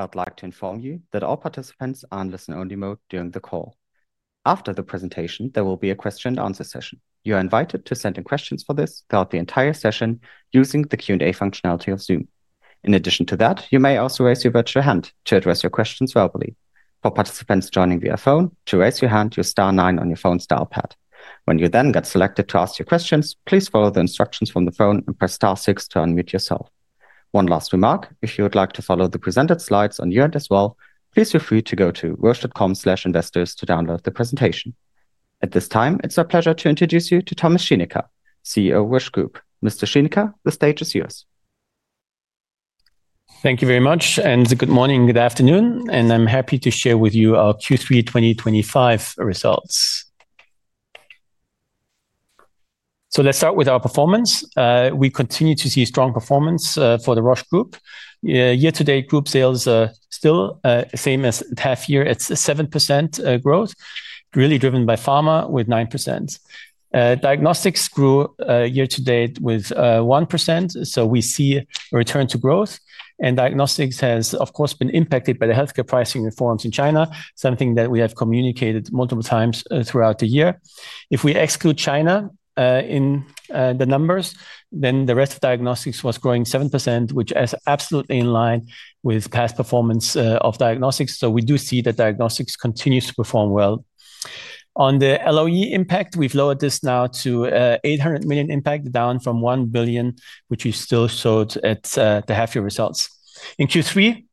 I would like to inform you that all participants are in listen-only mode during the call. After the presentation, there will be a question-and-answer session. You are invited to send in questions for this throughout the entire session using the Q&A functionality of Zoom. In addition to that, you may also raise your virtual hand to address your questions verbally. For participants joining via phone, to raise your hand, you'll star nine on your phone's dial pad. When you then get selected to ask your questions, please follow the instructions from the phone and press star six to unmute yourself. One last remark: if you would like to follow the presented slides on your end as well, please feel free to go to roche.com/investors to download the presentation. At this time, it's our pleasure to introduce you to Thomas Schinecker, CEO of Roche Group. Mr. Schinecker, the stage is yours. Thank you very much, and good morning, good afternoon, and I'm happy to share with you our Q3 2025 results. Let's start with our performance. We continue to see strong performance for the Roche Group. Year-to-date group sales are still the same as the past year. It's a 7% growth, really driven by pharma with 9%. Diagnostics grew year to date with 1%, so we see a return to growth. Diagnostics has, of course, been impacted by the healthcare pricing reforms in China, something that we have communicated multiple times throughout the year. If we exclude China in the numbers, the rest of diagnostics was growing 7%, which is absolutely in line with past performance of diagnostics. We do see that diagnostics continues to perform well. On the LOE impact, we've lowered this now to $800 million impact, down from $1 billion, which we still showed at the half-year results. In Q3,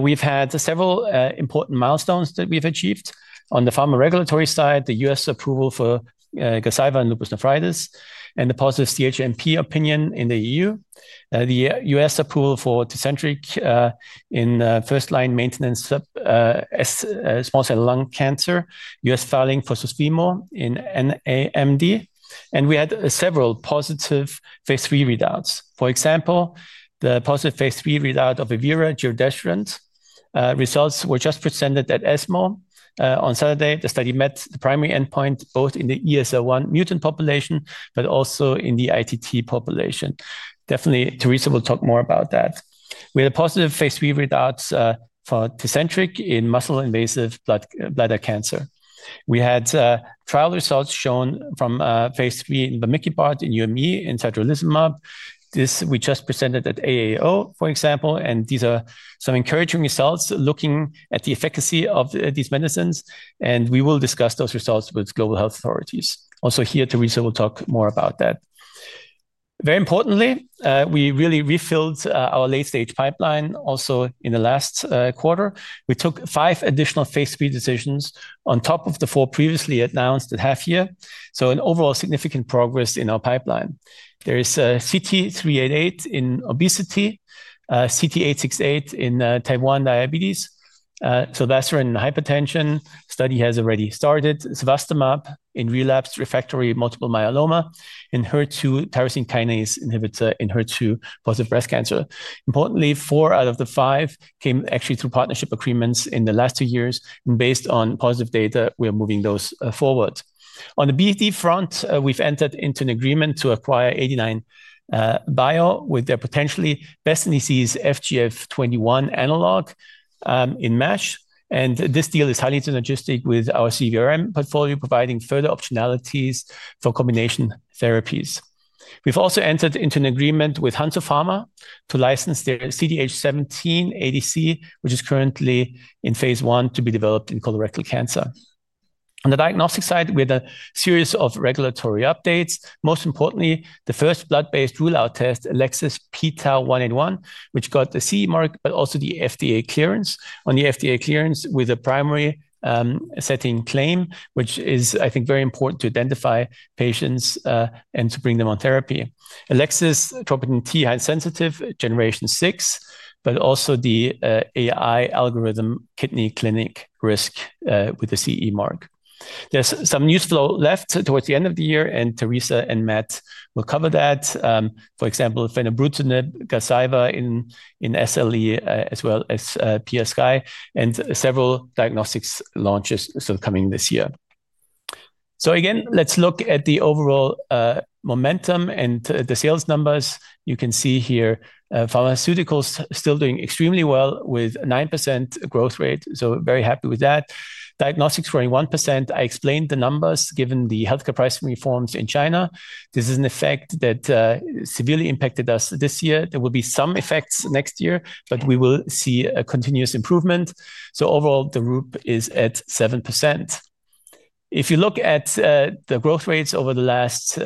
we've had several important milestones that we've achieved. On the pharma regulatory side, the U.S. approval for Gazyva in lupus nephritis, and the positive CHMP opinion in the EU, the U.S. approval for Tecentriq in first-line maintenance, small cell lung cancer, U.S. filing for Susvimo in nAMD, and we had several positive phase III readouts. For example, the positive phase III readout of evERA giredestrant. Results were just presented at ESMO. On Saturday, the study met the primary endpoint both in the ESR1 mutant population, but also in the ITT population. Definitely, Teresa will talk more about that. We had a positive phase III readout for Tecentriq in muscle invasive bladder cancer. We had trial results shown from phase III in vamikibart in UME, in satralizumab. This we just presented at AAO, for example, and these are some encouraging results looking at the efficacy of these medicines, and we will discuss those results with global health authorities. Also here, Teresa will talk more about that. Very importantly, we really refilled our late-stage pipeline also in the last quarter. We took five additional phase III decisions on top of the four previously announced at half-year, so an overall significant progress in our pipeline. There is CT-388 in obesity, CT-868 in type 1 diabetes, zilebesiran in hypertension. The study has already started. Cevostamab in relapsed refractory multiple myeloma, and HER2 tyrosine kinase inhibitor in HER2 positive breast cancer. Importantly, four out of the five came actually through partnership agreements in the last two years, and based on positive data, we are moving those forward. On the BFD front, we've entered into an agreement to acquire 89bio with their potentially best-in-class FGF21 analog in MASH. This deal is highly synergistic with our CVRM portfolio, providing further optionalities for combination therapies. We've also entered into an agreement with Hansoh Pharma to license their CDH17 ADC, which is currently in phase I to be developed in colorectal cancer. On the diagnostic side, we had a series of regulatory updates. Most importantly, the first blood-based rule-out test, Elecsys pTau 181, which got the CE mark, but also the FDA clearance. On the FDA clearance, with a primary setting claim, which is, I think, very important to identify patients and to bring them on therapy. Elecsys Troponin T high sensitive, generation six, but also the AI algorithm Kidney Clinic Risk with the CE mark. There's some news flow left towards the end of the year, and Teresa and Matt will cover that. For example, fenebrutinib, Gazyva in SLE, as well as PSK, and several diagnostics launches still coming this year. Again, let's look at the overall momentum and the sales numbers. You can see here pharmaceuticals still doing extremely well with a 9% growth rate, so very happy with that. Diagnostics growing 1%. I explained the numbers given the healthcare pricing reforms in China. This is an effect that severely impacted us this year. There will be some effects next year, but we will see a continuous improvement. Overall, the [ROOP] is at 7%. If you look at the growth rates over the last two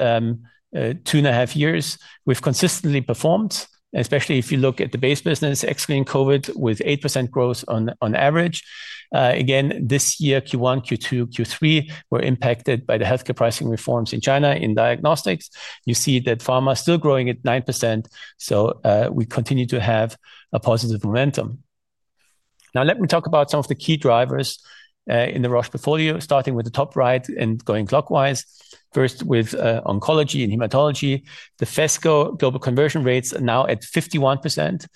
and a half years, we've consistently performed, especially if you look at the base business, excluding COVID, with 8% growth on average. Again, this year, Q1, Q2, Q3 were impacted by the healthcare pricing reforms in China in diagnostics. You see that pharma is still growing at 9%, so we continue to have a positive momentum. Now let me talk about some of the key drivers in the Roche portfolio, starting with the top right and going clockwise. First, with oncology and hematology, the Phesgo global conversion rates are now at 51%,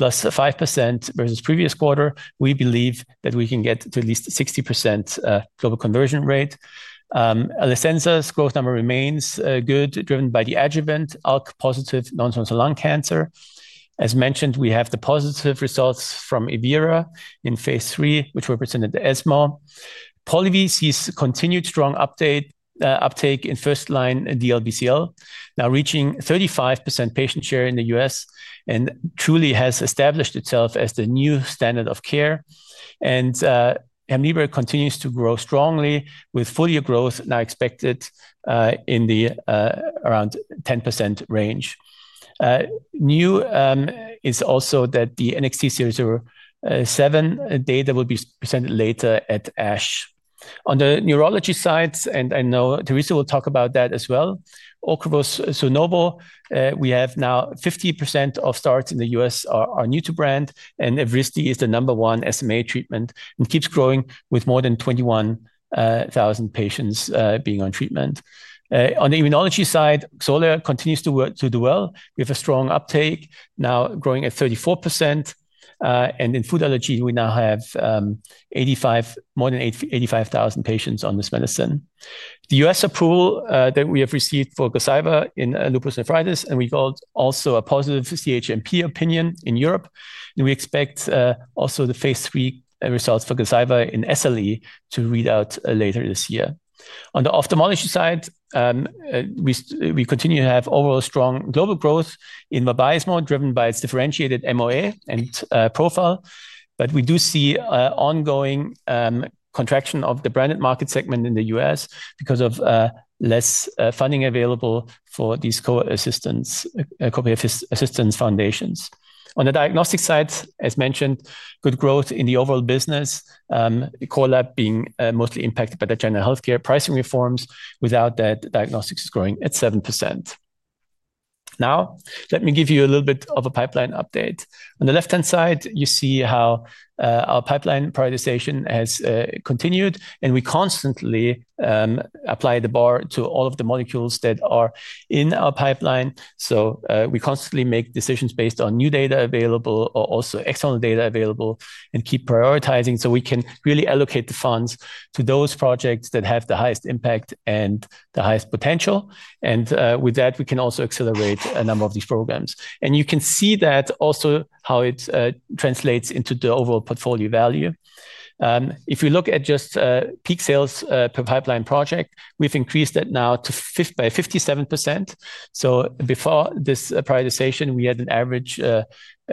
+5% versus previous quarter. We believe that we can get to at least a 60% global conversion rate. Alecensa's growth number remains good, driven by the adjuvant ALK positive non-small cell lung cancer. As mentioned, we have the positive results from gireda in phase III, which were presented at ESMO. Polivy sees continued strong uptake in first-line DLBCL, now reaching 35% patient share in the U.S. and truly has established itself as the new standard of care. Hemlibra continues to grow strongly, with folio growth now expected in the around 10% range. New is also that the NXT007 data, will be presented later at ASH. On the neurology side, and I know Teresa will talk about that as well, OCREVUS ZUNOVO, we have now 50% of starts in the U.S. are new to brand, and Evrysdi is the number one SMA treatment and keeps growing with more than 21,000 patients being on treatment. On the immunology side, Xolair continues to do well. We have a strong uptake, now growing at 34%. In food allergy, we now have more than 85,000 patients on this medicine. The U.S. approval that we have received for Gazyva in lupus nephritis and we got also a positive CHMP opinion in Europe, and we expect also the phase III results for Gazyva in SLE to read out later this year. On the ophthalmology side, we continue to have overall strong global growth in Vabysmo, driven by its differentiated MOA and profile, but we do see ongoing contraction of the branded market segment in the U.S. because of less funding available for these co-assistance foundations. On the diagnostic side, as mentioned, good growth in the overall business, the core lab being mostly impacted by the general healthcare pricing reforms. Without that, diagnostics is growing at 7%. Now, let me give you a little bit of a pipeline update. On the left-hand side, you see how our pipeline prioritization has continued, and we constantly apply the bar to all of the molecules that are in our pipeline. We constantly make decisions based on new data available or also external data available and keep prioritizing so we can really allocate the funds to those projects that have the highest impact and the highest potential. With that, we can also accelerate a number of these programs. You can see that also how it translates into the overall portfolio value. If you look at just peak sales per pipeline project, we've increased that now by 57%. Before this prioritization, we had an average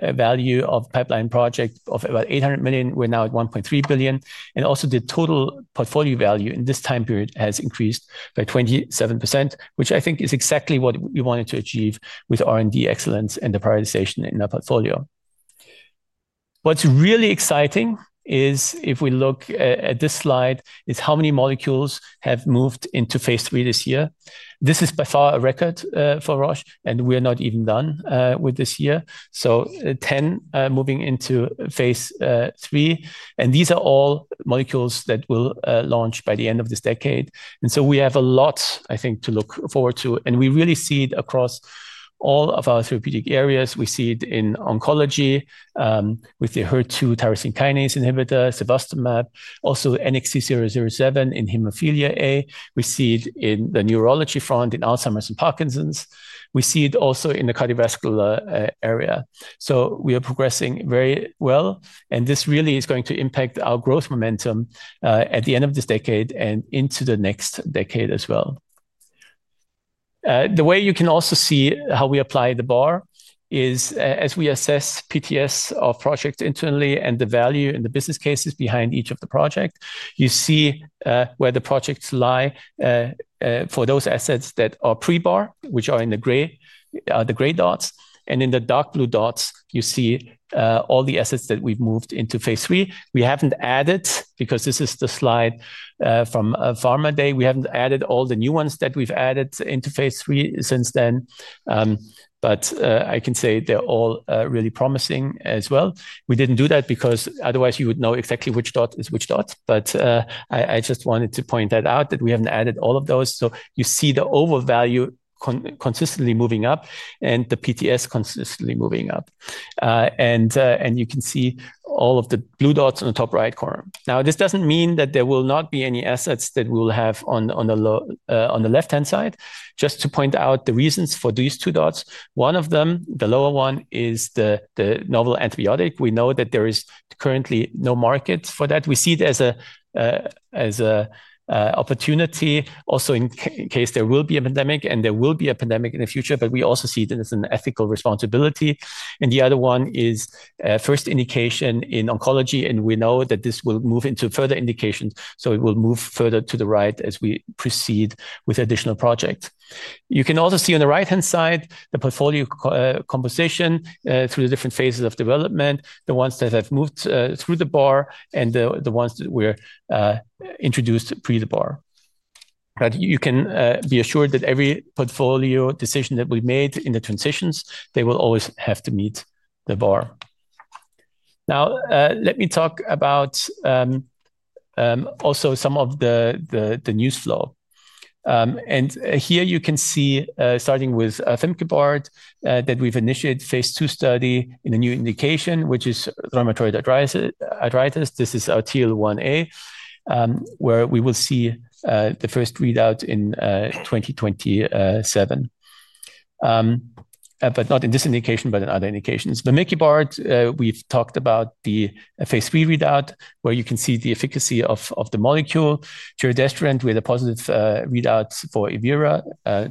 value of pipeline project of about $800 million. We're now at $1.3 billion. The total portfolio value in this time period has increased by 27%, which I think is exactly what we wanted to achieve with R&D excellence and the prioritization in our portfolio. What's really exciting is if we look at this slide, is how many molecules have moved into phase III this year. This is by far a record for Roche, and we're not even done with this year. Ten moving into phase III, and these are all molecules that will launch by the end of this decade. We have a lot, I think, to look forward to, and we really see it across all of our therapeutic areas. We see it in oncology with the HER2 tyrosine kinase inhibitor, cevostamab, also NXT007 in hemophilia A. We see it in the neurology front in Alzheimer's and Parkinson's. We see it also in the cardiovascular area. We are progressing very well, and this really is going to impact our growth momentum at the end of this decade and into the next decade as well. The way you can also see how we apply the bar is as we assess PTS of projects internally and the value and the business cases behind each of the projects. You see where the projects lie for those assets that are pre-bar, which are in the gray dots, and in the dark blue dots, you see all the assets that we've moved into phase III. We haven't added, because this is the slide from Pharma Day, we haven't added all the new ones that we've added into phase III since then, but I can say they're all really promising as well. We didn't do that because otherwise you would know exactly which dot is which dot, but I just wanted to point that out that we haven't added all of those. You see the overall value consistently moving up and the PTS consistently moving up. You can see all of the blue dots on the top right corner. This doesn't mean that there will not be any assets that we'll have on the left-hand side. Just to point out the reasons for these two dots, one of them, the lower one, is the novel antibiotic. We know that there is currently no market for that. We see it as an opportunity, also in case there will be a pandemic, and there will be a pandemic in the future, but we also see it as an ethical responsibility. The other one is a first indication in oncology, and we know that this will move into further indications, so it will move further to the right as we proceed with additional projects. You can also see on the right-hand side the portfolio composition through the different phases of development, the ones that have moved through the bar and the ones that were introduced pre the bar. You can be assured that every portfolio decision that we made in the transitions, they will always have to meet the bar. Now, let me talk about also some of the news flow. Here you can see, starting with vamikibart, that we've initiated a phase II study in a new indication, which is rheumatoid arthritis. This is our TL1A, where we will see the first readout in 2027, not in this indication, but in other indications. Vamikibart, we've talked about the phase III readout, where you can see the efficacy of the molecule. Giredestrant, we had a positive readout for evERA.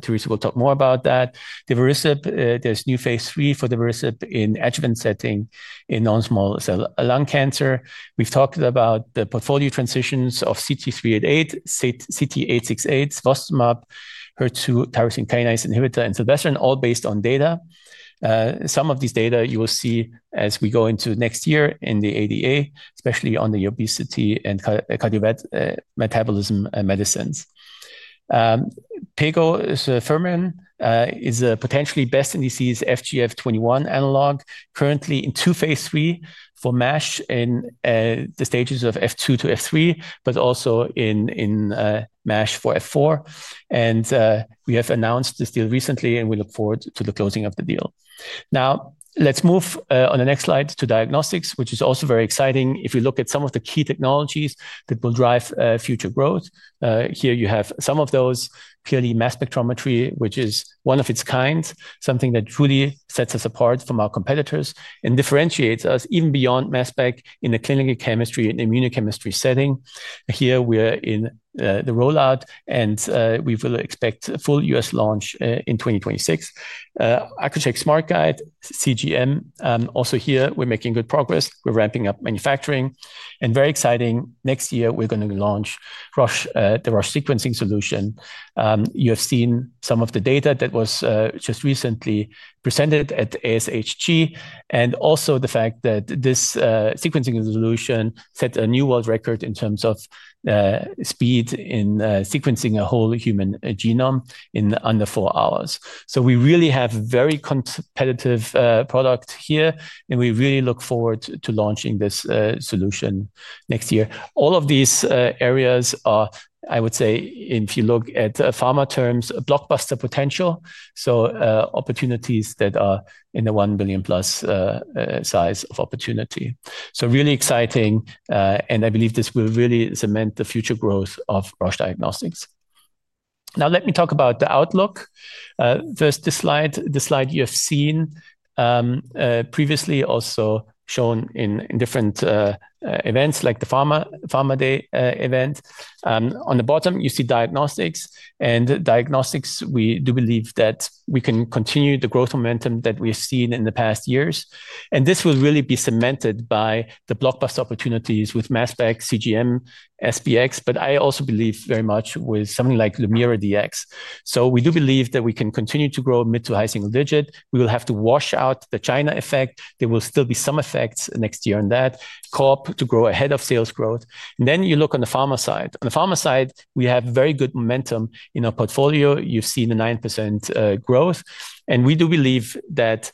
Teresa will talk more about that. Divarasib, there's new phase III for divarasib in the adjuvant setting in non-small cell lung cancer. We've talked about the portfolio transitions of CT-388, CT-868, cevostamab, HER2 tyrosine kinase inhibitor, and cevostamab, all based on data. Some of these data you will see as we go into next year in the ADA, especially on the obesity and cardiometabolism medicines. Pegozafermin is a potentially best in the class FGF21 analog, currently in two phase III for MASH in the stages of F2 to F3, but also in MASH for F4. We have announced this deal recently, and we look forward to the closing of the deal. Now, let's move on the next slide to diagnostics, which is also very exciting. If you look at some of the key technologies that will drive future growth, here you have some of those. Clearly, mass spectrometry, which is one of its kind, something that truly sets us apart from our competitors and differentiates us even beyond mass spec in the clinical chemistry and immunochemistry setting. Here we are in the rollout, and we will expect a full U.S. launch in 2026. Accu-Chek SmartGuide, CGM, also here, we're making good progress. We're ramping up manufacturing. Very exciting, next year we're going to launch the Roche sequencing solution. You have seen some of the data that was just recently presented at ASHG, and also the fact that this sequencing solution set a new world record in terms of speed in sequencing a whole human genome in under four hours. We really have a very competitive product here, and we really look forward to launching this solution next year. All of these areas are, I would say, if you look at pharma terms, blockbuster potential, so opportunities that are in the $1+ billion size of opportunity. Really exciting, and I believe this will really cement the future growth of Roche Diagnostics. Now let me talk about the outlook. First, this slide, the slide you have seen previously, also shown in different events like the pharma day event. On the bottom, you see diagnostics, and diagnostics, we do believe that we can continue the growth momentum that we have seen in the past years. This will really be cemented by the blockbuster opportunities with Mass Spec, CGM, SBX, but I also believe very much with something like LumiraDX. We do believe that we can continue to grow mid to high single digit. We will have to wash out the China effect. There will still be some effects next year on that, corp to grow ahead of sales growth. You look on the pharma side. On the pharma side, we have very good momentum in our portfolio. You see the 9% growth, and we do believe that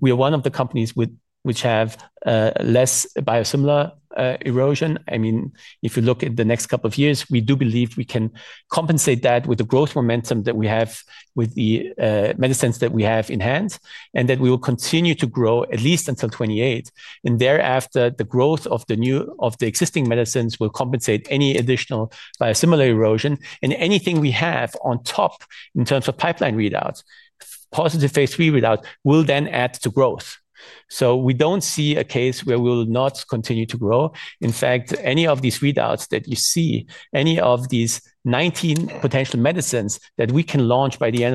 we are one of the companies which have less biosimilar erosion. If you look at the next couple of years, we do believe we can compensate that with the growth momentum that we have with the medicines that we have in hand, and that we will continue to grow at least until 2028. Thereafter, the growth of the existing medicines will compensate any additional biosimilar erosion, and anything we have on top in terms of pipeline readout, positive phase III readout will then add to growth. We don't see a case where we will not continue to grow. In fact, any of these readouts that you see, any of these 19 potential medicines that we can launch by the end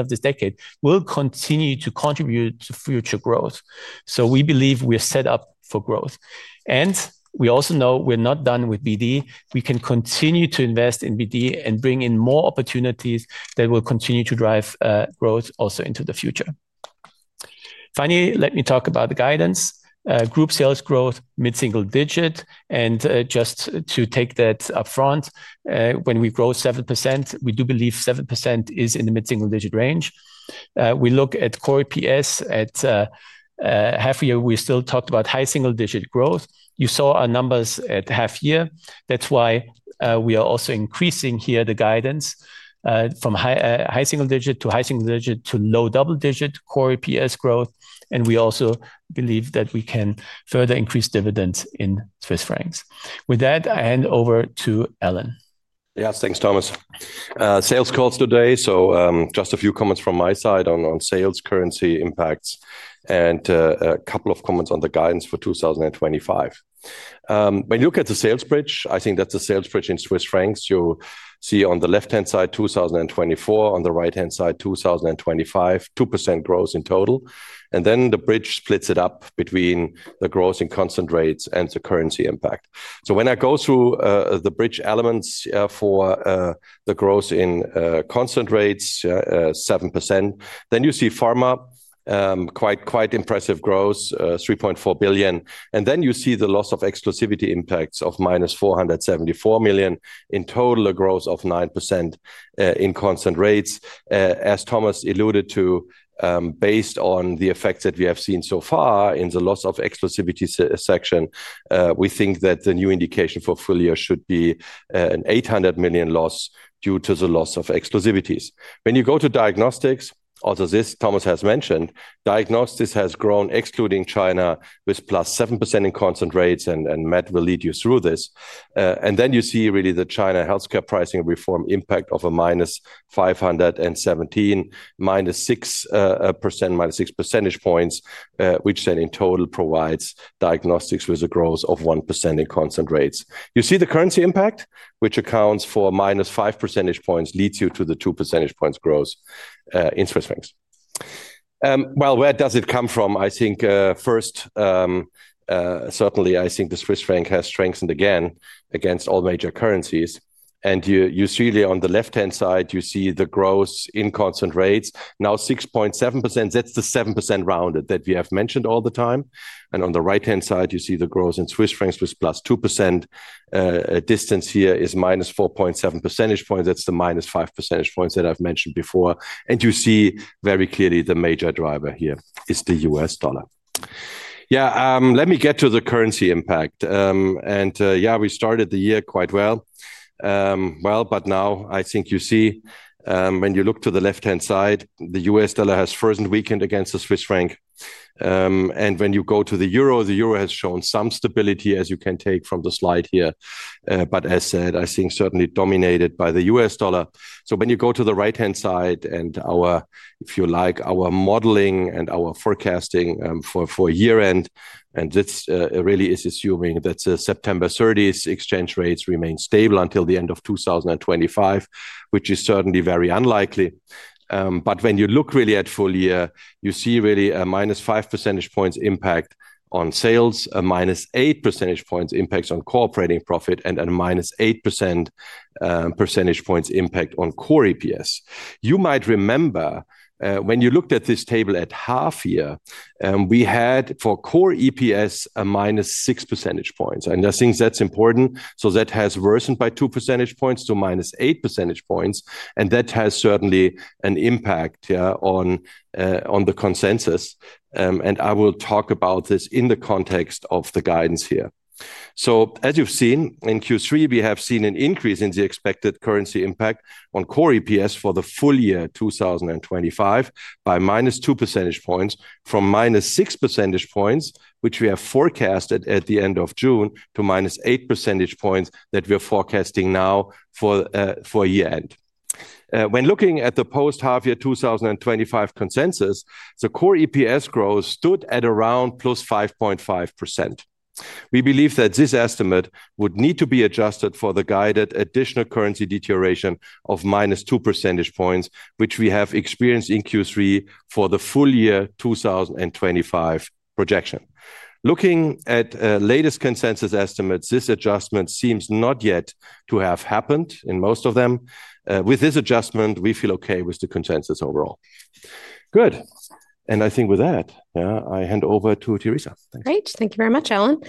of this decade will continue to contribute to future growth. We believe we're set up for growth. We also know we're not done with BD. We can continue to invest in BD and bring in more opportunities that will continue to drive growth also into the future. Finally, let me talk about the guidance. Group sales growth mid-single digit, and just to take that up front, when we grow 7%, we do believe 7% is in the mid-single digit range. We look at core EPS at half a year. We still talked about high single digit growth. You saw our numbers at half a year. That's why we are also increasing here the guidance from high single digit to high single digit to low double digit core EPS growth. We also believe that we can further increase dividends in Swiss francs. With that, I hand over to Alan. Yeah, thanks, Thomas. Sales calls today, so just a few comments from my side on sales currency impacts and a couple of comments on the guidance for 2025. When you look at the sales bridge, I think that's the sales bridge in Swiss francs. You'll see on the left-hand side 2024, on the right-hand side 2025, 2% growth in total. The bridge splits it up between the growth in constant rates and the currency impact. When I go through the bridge elements for the growth in constant rates, 7%, then you see pharma, quite impressive growth, 3.4 billion. Then you see the loss of exclusivity impacts of -474 million in total, a growth of 9% in constant rates. As Thomas alluded to, based on the effects that we have seen so far in the loss of exclusivity section, we think that the new indication for Polivy should be an 800 million loss due to the loss of exclusivities. When you go to diagnostics, also as Thomas has mentioned, diagnostics has grown excluding China with +7% in constant rates, and Matt will lead you through this. Then you see really the China healthcare pricing reform impact of a -517, -6%, -6 percentage points, which then in total provides diagnostics with a growth of 1% in constant rates. You see the currency impact, which accounts for -5 percentage points, leads you to the 2 percentage points growth in Swiss francs. Where does it come from? I think first, certainly I think the Swiss franc has strengthened again against all major currencies. You see on the left-hand side, you see the growth in constant rates, now 6.7%. That's the 7% rounded that we have mentioned all the time. On the right-hand side, you see the growth in Swiss francs with +2%. Distance here is -4.7 percentage points. That's the -5 percentage points that I've mentioned before. You see very clearly the major driver here is the US dollar. Let me get to the currency impact. We started the year quite well. Now I think you see when you look to the left-hand side, the US dollar has recently weakened against the Swiss franc. When you go to the euro, the euro has shown some stability, as you can take from the slide here. As said, I think certainly dominated by the US dollar. When you go to the right-hand side and our, if you like, our modeling and our forecasting for year-end, this really is assuming that September 30th exchange rates remain stable until the end of 2025, which is certainly very unlikely. When you look really at folio, you see really a -5% impact on sales, a -8% impact on core operating profit, and a -8% impact on core EPS. You might remember when you looked at this table at half year, we had for core EPS a -6%. I think that's important. That has worsened by 2% to -8%. That has certainly an impact on the consensus. I will talk about this in the context of the guidance here. As you've seen, in Q3, we have seen an increase in the expected currency impact on core EPS for the full year 2025 by -2% from -6%, which we have forecast at the end of June, to -8% that we are forecasting now for year-end. When looking at the post-half-year 2025 consensus, the core EPS growth stood at around +5.5%. We believe that this estimate would need to be adjusted for the guided additional currency deterioration of -2%, which we have experienced in Q3 for the full year 2025 projection. Looking at latest consensus estimates, this adjustment seems not yet to have happened in most of them. With this adjustment, we feel okay with the consensus overall. Good. I think with that, I hand over to Teresa. Great. Thank you very much, Alan.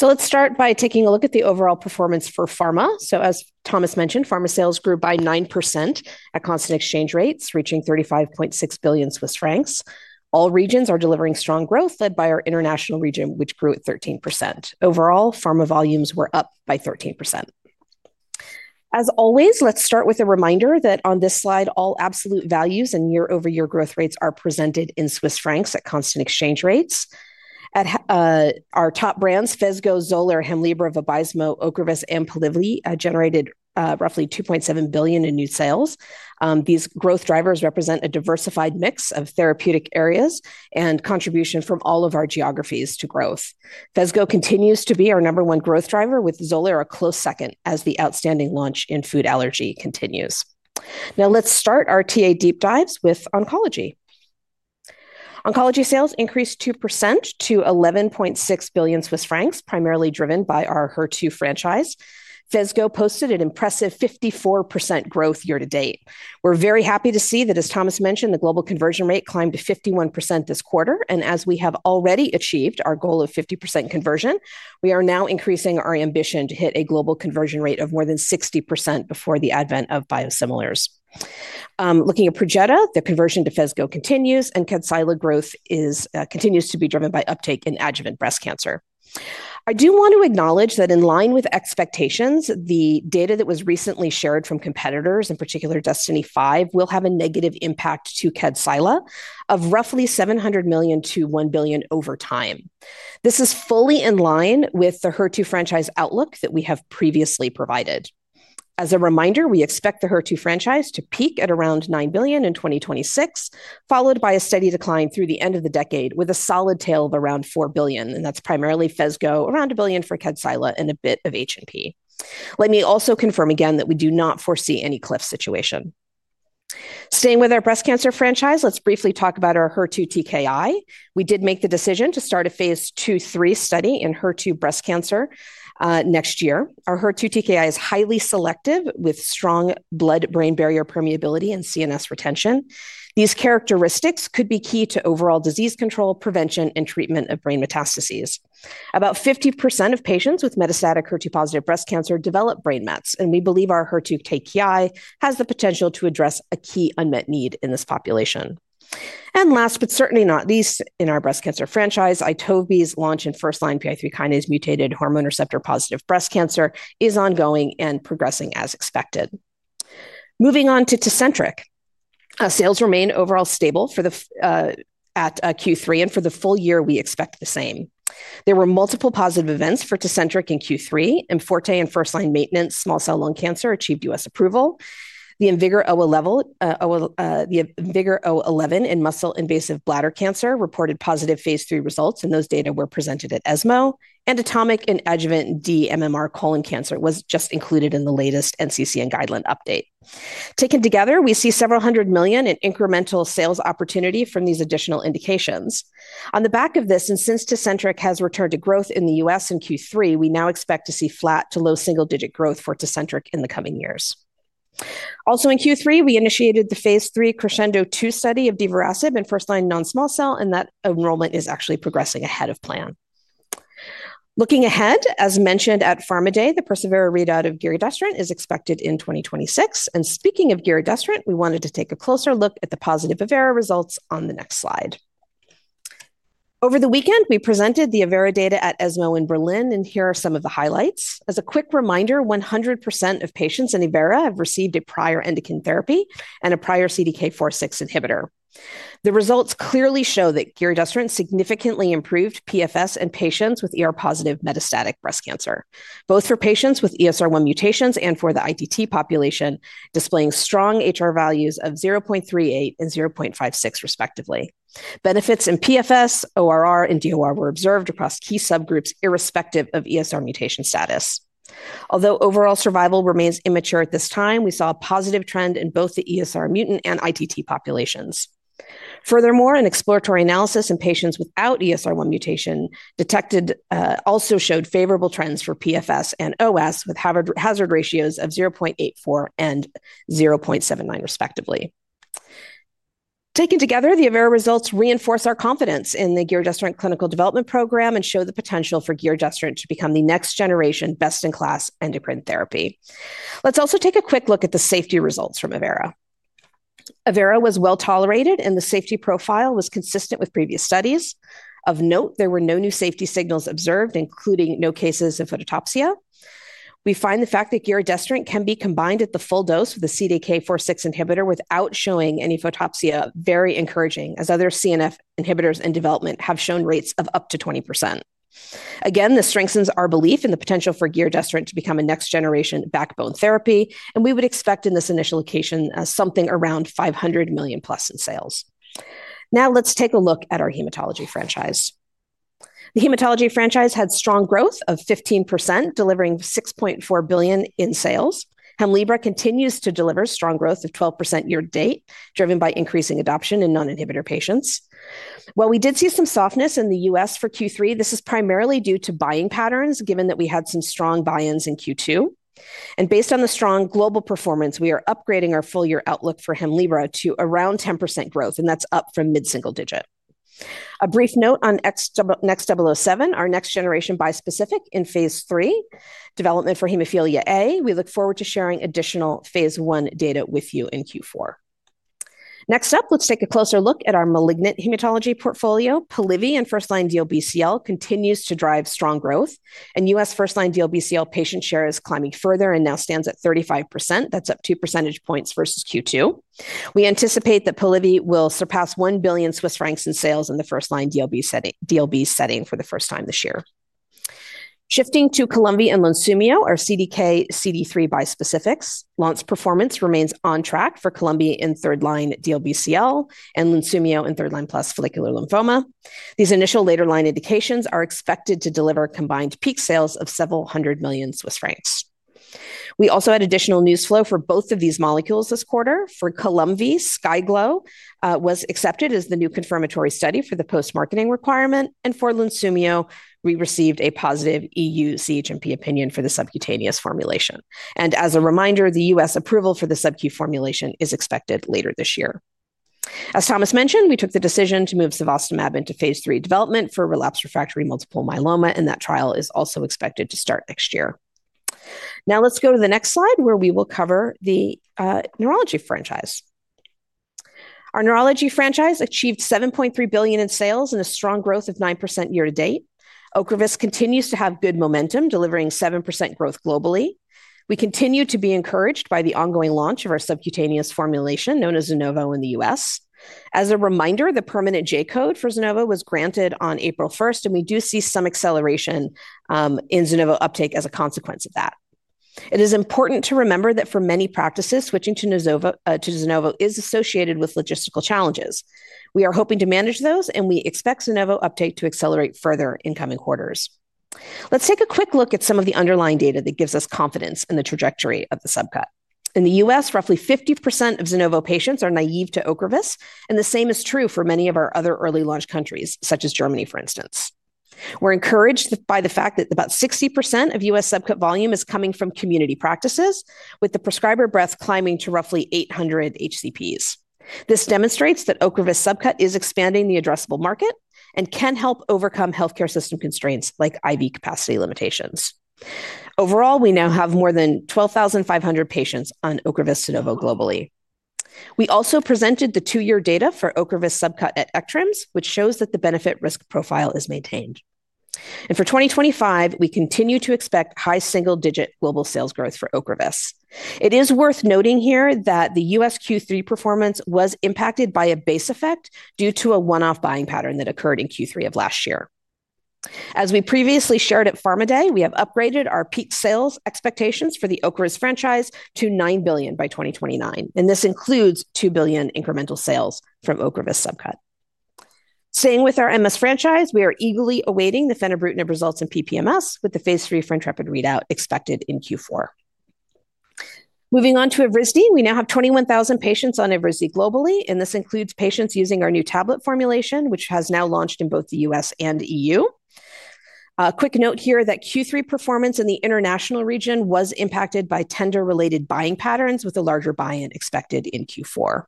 Let's start by taking a look at the overall performance for pharma. As Thomas mentioned, pharma sales grew by 9% at constant exchange rates, reaching 35.6 billion Swiss francs. All regions are delivering strong growth, led by our International region, which grew at 13%. Overall, pharma volumes were up by 13%. As always, let's start with a reminder that on this slide, all absolute values and year-over-year growth rates are presented in Swiss francs at constant exchange rates. At our top brands, Phesgo, Xolair, Hemlibra, Vabysmo, Ocrevus, and Polivy generated roughly 2.7 billion in new sales. These growth drivers represent a diversified mix of therapeutic areas and contribution from all of our geographies to growth. Phesgo continues to be our number one growth driver, with Xolair a close second as the outstanding launch in food allergy continues. Now let's start our TA deep dives with oncology. Oncology sales increased 2% to 11.6 billion Swiss francs, primarily driven by our HER2 franchise. Phesgo posted an impressive 54% growth year to date. We're very happy to see that, as Thomas mentioned, the global conversion rate climbed 51% this quarter. As we have already achieved our goal of 50% conversion, we are now increasing our ambition to hit a global conversion rate of more than 60% before the advent of biosimilars. Looking at Perjeta, the conversion to Phesgo continues, and Kadcyla growth continues to be driven by uptake in adjuvant breast cancer. I do want to acknowledge that in line with expectations, the data that was recently shared from competitors, in particular Destiny 5, will have a negative impact to Kadcyla of roughly 700 million to 1 billion over time. This is fully in line with the HER2 franchise outlook that we have previously provided. As a reminder, we expect the HER2 franchise to peak at around 9 billion in 2026, followed by a steady decline through the end of the decade, with a solid tail of around 4 billion. That's primarily Phesgo, around 1 billion for Kadcyla, and a bit of H&P. Let me also confirm again that we do not foresee any cliff situation. Staying with our breast cancer franchise, let's briefly talk about our HER2 TKI. We did make the decision to start a phase II-III study in HER2 breast cancer next year. Our HER2 TKI is highly selective with strong blood-brain barrier permeability and CNS retention. These characteristics could be key to overall disease control, prevention, and treatment of brain metastases. About 50% of patients with metastatic HER2 positive breast cancer develop brain mets, and we believe our HER2 TKI has the potential to address a key unmet need in this population. Last but certainly not least, in our breast cancer franchise, [Itovebi]'s launch in first-line PI3 kinase mutated hormone receptor positive breast cancer is ongoing and progressing as expected. Moving on to Tecentriq, sales remain overall stable at Q3, and for the full year, we expect the same. There were multiple positive events for Tecentriq in Q3, IMforte in first-line maintenance small cell lung cancer achieved U.S. approval. The IMvigor011 in muscle invasive bladder cancer reported positive phase III results, and those data were presented at ESMO. ATOMIC and adjuvant DMMR colon cancer was just included in the latest NCCN guideline update. Taken together, we see several hundred million in incremental sales opportunity from these additional indications. On the back of this, and since Tecentriq has returned to growth in the U.S. in Q3, we now expect to see flat to low single-digit growth for Tecentriq in the coming years. Also in Q3, we initiated the phase III Krascendo 2 study of divarasib in first-line non-small cell, and that enrollment is actually progressing ahead of plan. Looking ahead, as mentioned at Pharma Day, the Persevera readout of giredestrant is expected in 2026. Speaking of giredestrant, we wanted to take a closer look at the positive evERA results on the next slide. Over the weekend, we presented the evERA data at ESMO in Berlin, and here are some of the highlights. As a quick reminder, 100% of patients in evERA have received a prior endocrine therapy and a prior CDK4/6 inhibitor. The results clearly show that giredestrant significantly improved PFS in patients with positive metastatic breast cancer, both for patients with ESR1 mutations and for the ITT population, displaying strong HR values of 0.38 and 0.56, respectively. Benefits in PFS, ORR, and DOR were observed across key subgroups, irrespective of ESR mutation status. Although overall survival remains immature at this time, we saw a positive trend in both the ESR mutant and ITT populations. Furthermore, an exploratory analysis in patients without ESR1 mutation detected also showed favorable trends for PFS and OS, with hazard ratios of 0.84 and 0.79, respectively. Taken together, the evERA results reinforce our confidence in the giredestrant clinical development program and show the potential for giredestrant to become the next generation best-in-class endocrine therapy. Let's also take a quick look at the safety results from evERA. evERA was well tolerated, and the safety profile was consistent with previous studies. Of note, there were no new safety signals observed, including no cases of photopsia. We find the fact that giredestrant can be combined at the full dose of the CDK4/6 inhibitor without showing any photopsia very encouraging, as other CNF inhibitors in development have shown rates of up to 20%. Again, this strengthens our belief in the potential for giredestrant to become a next-generation backbone therapy, and we would expect in this initial location something around 500+ million in sales. Now let's take a look at our hematology franchise. The hematology franchise had strong growth of 15%, delivering 6.4 billion in sales. Hemlibra continues to deliver strong growth of 12% year to date, driven by increasing adoption in non-inhibitor patients. While we did see some softness in the U.S. for Q3, this is primarily due to buying patterns, given that we had some strong buy-ins in Q2. Based on the strong global performance, we are upgrading our full-year outlook for Hemlibra to around 10% growth, and that's up from mid-single digit. A brief note on our next generation bispecific in phase III development for hemophilia A. We look forward to sharing additional phase I data with you in Q4. Next up, let's take a closer look at our malignant hematology portfolio. Polivy in first-line DLBCL continues to drive strong growth, and U.S. first-line DLBCL patient share is climbing further and now stands at 35%. That's up two percentage points versus Q2. We anticipate that Polivy will surpass 1 billion Swiss francs in sales in the first-line DLBCL setting for the first time this year. Shifting to Columvi and Lunsumio, our CD20 CD3 bispecifics, Lunsumio's performance remains on track for Columvi in third-line DLBCL and Lunsumio in third-line plus follicular lymphoma. These initial later line indications are expected to deliver combined peak sales of several hundred million Swiss francs. We also had additional news flow for both of these molecules this quarter. For Columvi, SKYGLO was accepted as the new confirmatory study for the post-marketing requirement, and for Lunsumio, we received a positive EU CHMP opinion for the subcutaneous formulation. The U.S. approval for the subQ formulation is expected later this year. As Thomas mentioned, we took the decision to move cevostamab into phase III development for relapsed refractory multiple myeloma, and that trial is also expected to start next year. Now let's go to the next slide where we will cover the neurology franchise. Our neurology franchise achieved 7.3 billion in sales and a strong growth of 9% year to date. Ocrevus continues to have good momentum, delivering 7% growth globally. We continue to be encouraged by the ongoing launch of our subcutaneous formulation known as ZUNOVO in the U.S. The permanent J code for ZUNOVO was granted on April 1st, and we do see some acceleration in ZUNOVO uptake as a consequence of that. It is important to remember that for many practices, switching to ZUNOVO is associated with logistical challenges. We are hoping to manage those, and we expect ZUNOVO uptake to accelerate further in coming quarters. Let's take a quick look at some of the underlying data that gives us confidence in the trajectory of the subcut. In the U.S., roughly 50% of ZUNOVO patients are naive to Ocrevus, and the same is true for many of our other early launch countries, such as Germany, for instance. We're encouraged by the fact that about 60% of U.S. subcut volume is coming from community practices, with the prescriber breadth climbing to roughly 800 HCPs. This demonstrates that Ocrevus subcut is expanding the addressable market and can help overcome healthcare system constraints like IV capacity limitations. Overall, we now have more than 12,500 patients on OCREVUS ZUNOVO globally. We also presented the two-year data for Ocrevus subcut at ECTRIMS, which shows that the benefit-risk profile is maintained. For 2025, we continue to expect high single-digit global sales growth for Ocrevus. It is worth noting here that the U.S. Q3 performance was impacted by a base effect due to a one-off buying pattern that occurred in Q3 of last year. As we previously shared at Pharma Day, we have upgraded our peak sales expectations for the Ocrevus franchise to $9 billion by 2029, and this includes $2 billion incremental sales from Ocrevus subcut. Staying with our MS franchise, we are eagerly awaiting the fenebrutinib results in PPMS with the phase III French rapid readout expected in Q4. Moving on to Evrysdi, we now have 21,000 patients on Evrysdi globally, and this includes patients using our new tablet formulation, which has now launched in both the U.S. and EU. A quick note here that Q3 performance in the international region was impacted by tender-related buying patterns, with a larger buy-in expected in Q4.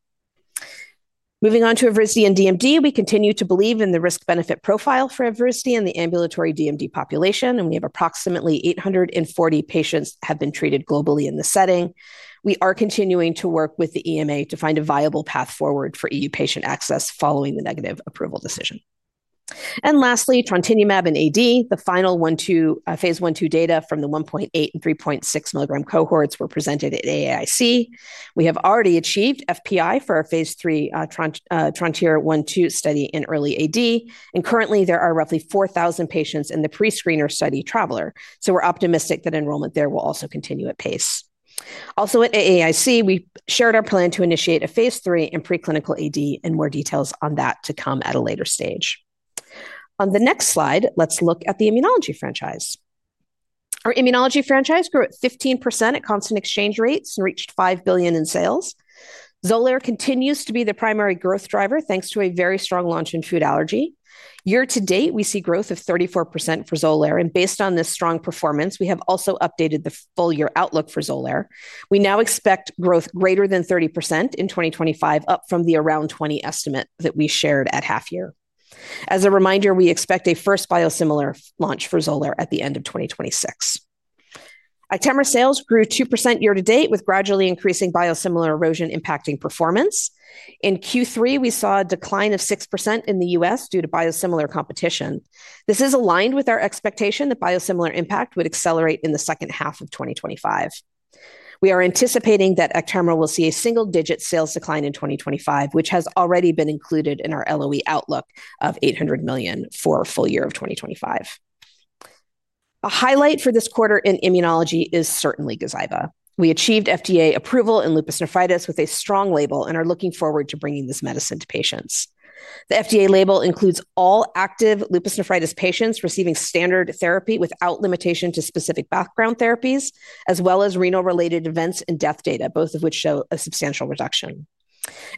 Moving on to Evrysdi and DMD, we continue to believe in the risk-benefit profile for Evrysdi in the ambulatory DMD population, and we have approximately 840 patients that have been treated globally in this setting. We are continuing to work with the EMA to find a viable path forward for EU patient access following the negative approval decision. Lastly, trontinemab in AD, the final phase I-II data from the 1.8 mg and 3.6 mg cohorts were presented at AAIC. We have already achieved FPI for our phase III TRONTIER 1-2 study in early AD, and currently there are roughly 4,000 patients in the pre-screener study traveler. We are optimistic that enrollment there will also continue at pace. Also at AAIC, we shared our plan to initiate a phase III in preclinical AD, and more details on that to come at a later stage. On the next slide, let's look at the immunology franchise. Our immunology franchise grew at 15% at constant exchange rates and reached 5 billion in sales. Xolair continues to be the primary growth driver thanks to a very strong launch in food allergy. Year to date, we see growth of 34% for Xolair, and based on this strong performance, we have also updated the full-year outlook for Xolair. We now expect growth greater than 30% in 2025, up from the around 20% estimate that we shared at half-year. As a reminder, we expect a first biosimilar launch for Xolair at the end of 2026. Actemra sales grew 2% year to date with gradually increasing biosimilar erosion impacting performance. In Q3, we saw a decline of 6% in the U.S. due to biosimilar competition. This is aligned with our expectation that biosimilar impact would accelerate in the second half of 2025. We are anticipating that Actemra will see a single-digit sales decline in 2025, which has already been included in our LOE outlook of $800 million for a full year of 2025. A highlight for this quarter in immunology is certainly Gazyva. We achieved FDA approval in lupus nephritis with a strong label and are looking forward to bringing this medicine to patients. The FDA label includes all active lupus nephritis patients receiving standard therapy without limitation to specific background therapies, as well as renal-related events and death data, both of which show a substantial reduction.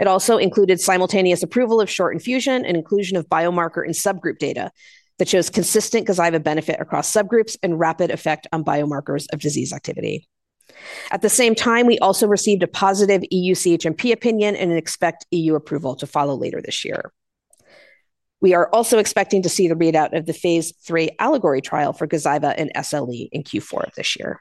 It also included simultaneous approval of short infusion and inclusion of biomarker and subgroup data that shows consistent Gazyva benefit across subgroups and rapid effect on biomarkers of disease activity. At the same time, we also received a positive EU CHMP opinion and expect EU approval to follow later this year. We are also expecting to see the readout of the phase III ALLEGORY trial for Gazyva in SLE in Q4 of this year.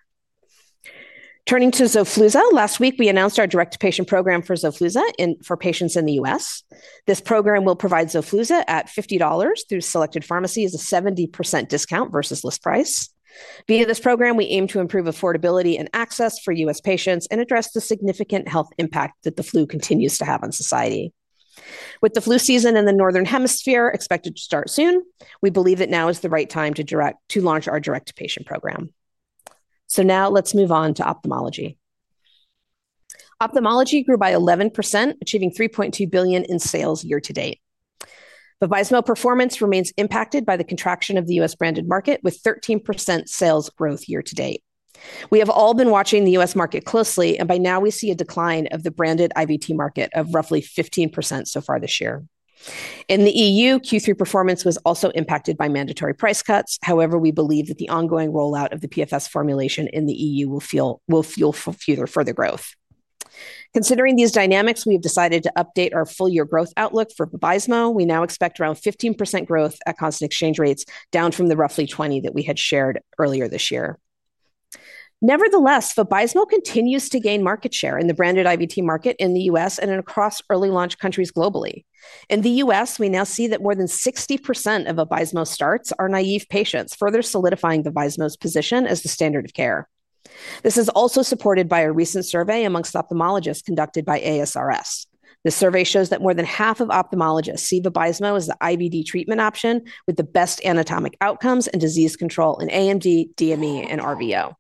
Turning to Xofluza, last week we announced our direct patient program for Xofluza for patients in the U.S. This program will provide Xofluza at $50 through selected pharmacies with a 70% discount versus list price. Via this program, we aim to improve affordability and access for U.S. patients and address the significant health impact that the flu continues to have on society. With the flu season in the northern hemisphere expected to start soon, we believe it now is the right time to launch our direct patient program. Now let's move on to ophthalmology. Ophthalmology grew by 11%, achieving $3.2 billion in sales year to date. The Vabysmo performance remains impacted by the contraction of the U.S. branded market, with 13% sales growth year to date. We have all been watching the U.S. market closely, and by now we see a decline of the branded IVT market of roughly 15% so far this year. In the EU, Q3 performance was also impacted by mandatory price cuts. However, we believe that the ongoing rollout of the PFS formulation in the EU will fuel further growth. Considering these dynamics, we have decided to update our full-year growth outlook for Vabysmo. We now expect around 15% growth at constant exchange rates, down from the roughly 20% that we had shared earlier this year. Nevertheless, Vabysmo continues to gain market share in the branded IVT market in the U.S. and across early launch countries globally. In the U.S., we now see that more than 60% of Vabysmo starts are naive patients, further solidifying Vabysmo's position as the standard of care. This is also supported by a recent survey amongst ophthalmologists conducted by ASRS. This survey shows that more than half of ophthalmologists see Vabysmo as the IVT treatment option with the best anatomic outcomes and disease control in AMD, DME, and RVO.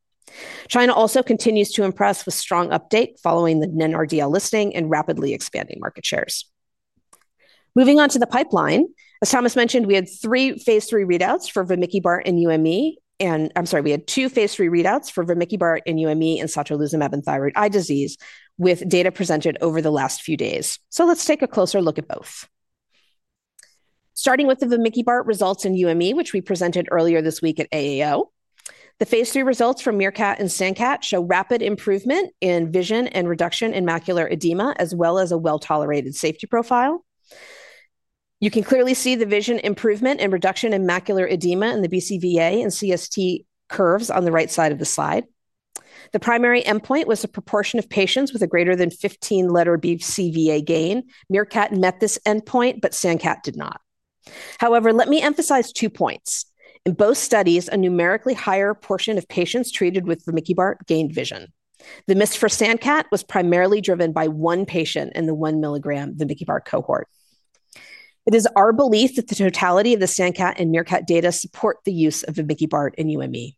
China also continues to impress with strong uptake following the NDRL listing and rapidly expanding market shares. Moving on to the pipeline, as Thomas mentioned, we had two phase III readouts for vamikibart in UME and satralizumab in thyroid eye disease, with data presented over the last few days. Let's take a closer look at both. Starting with the vamikibart results in UME, which we presented earlier this week at AAO. The phase III results from MEERKAT and SANDCAT show rapid improvement in vision and reduction in macular edema, as well as a well-tolerated safety profile. You can clearly see the vision improvement and reduction in macular edema in the BCVA and CST curves on the right side of the slide. The primary endpoint was a proportion of patients with a greater than 15 letter BCVA gain. MEERKAT met this endpoint, but SANDCAT did not. However, let me emphasize two points. In both studies, a numerically higher proportion of patients treated with vamikibart gained vision. The miss for SANDCAT was primarily driven by one patient in the one milligram vamikibart cohort. It is our belief that the totality of the SANDCAT and MEERKAT data support the use of vamikibart in UME.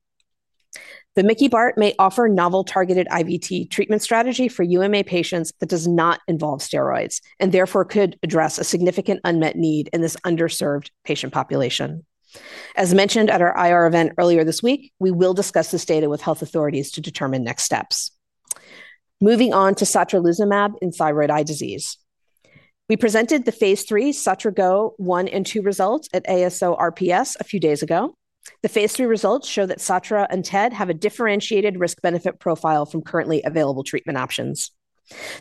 vamikibart may offer a novel targeted IVT treatment strategy for UME patients that does not involve steroids, and therefore could address a significant unmet need in this underserved patient population. As mentioned at our IR event earlier this week, we will discuss this data with health authorities to determine next steps. Moving on to satralizumab in thyroid eye disease. We presented the phase III SOTRAGO 1 and 2 results at [ASOPRS] a few days ago. The phase III results show that satra in TED has a differentiated risk-benefit profile from currently available treatment options.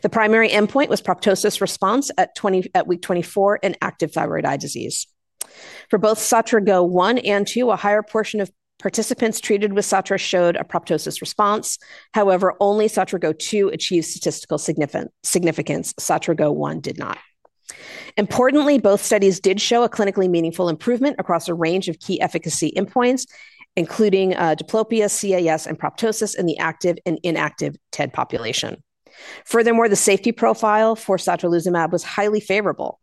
The primary endpoint was proptosis response at week 24 in active thyroid eye disease. For both SOTRAGO 1 and 2, a higher proportion of participants treated with satra showed a proptosis response. However, only SOTRAGO 2 achieved statistical significance. SOTRAGO 1 did not. Importantly, both studies did show a clinically meaningful improvement across a range of key efficacy endpoints, including diplopia, CAS, and proptosis in the active and inactive TED population. Furthermore, the safety profile for satralizumab was highly favorable.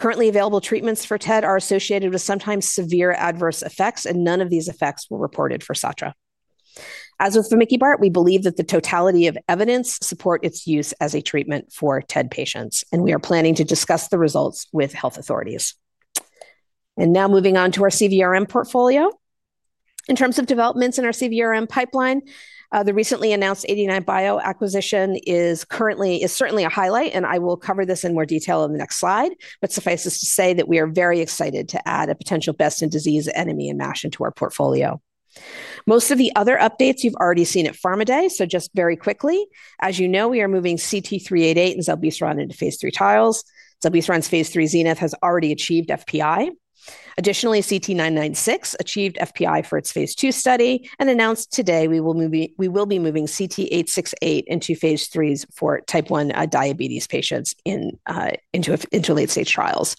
Currently available treatments for TED are associated with sometimes severe adverse effects, and none of these effects were reported for satra. As with vamikibart, we believe that the totality of evidence supports its use as a treatment for TED patients, and we are planning to discuss the results with health authorities. Moving on to our CVRM portfolio. In terms of developments in our CVRM pipeline, the recently announced 89bio acquisition is certainly a highlight, and I will cover this in more detail on the next slide. Suffice it to say that we are very excited to add a potential best-in-disease analog in MASH into our portfolio. Most of the other updates you've already seen at Pharma Day, so just very quickly, as you know, we are moving CT-388 and zilbesiran into phase III trials. Zilbesiran's phase III zenith has already achieved FPI. Additionally, CT-996 achieved FPI for its phase II study, and announced today we will be moving CT-868 into phase III for type 1 diabetes patients into late-stage trials.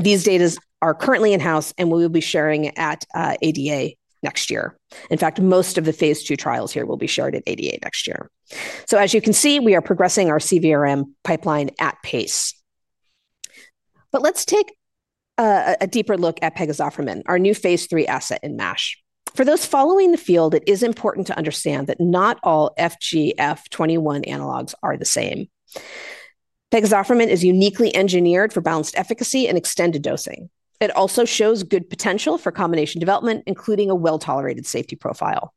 These data are currently in-house, and we will be sharing at ADA next year. In fact, most of the phase II trials here will be shared at ADA next year. As you can see, we are progressing our CVRM pipeline at pace. Let's take a deeper look at pegozafermin, our new phase III asset in MASH. For those following the field, it is important to understand that not all FGF21 analogs are the same. Pegozafermin is uniquely engineered for balanced efficacy and extended dosing. It also shows good potential for combination development, including a well-tolerated safety profile.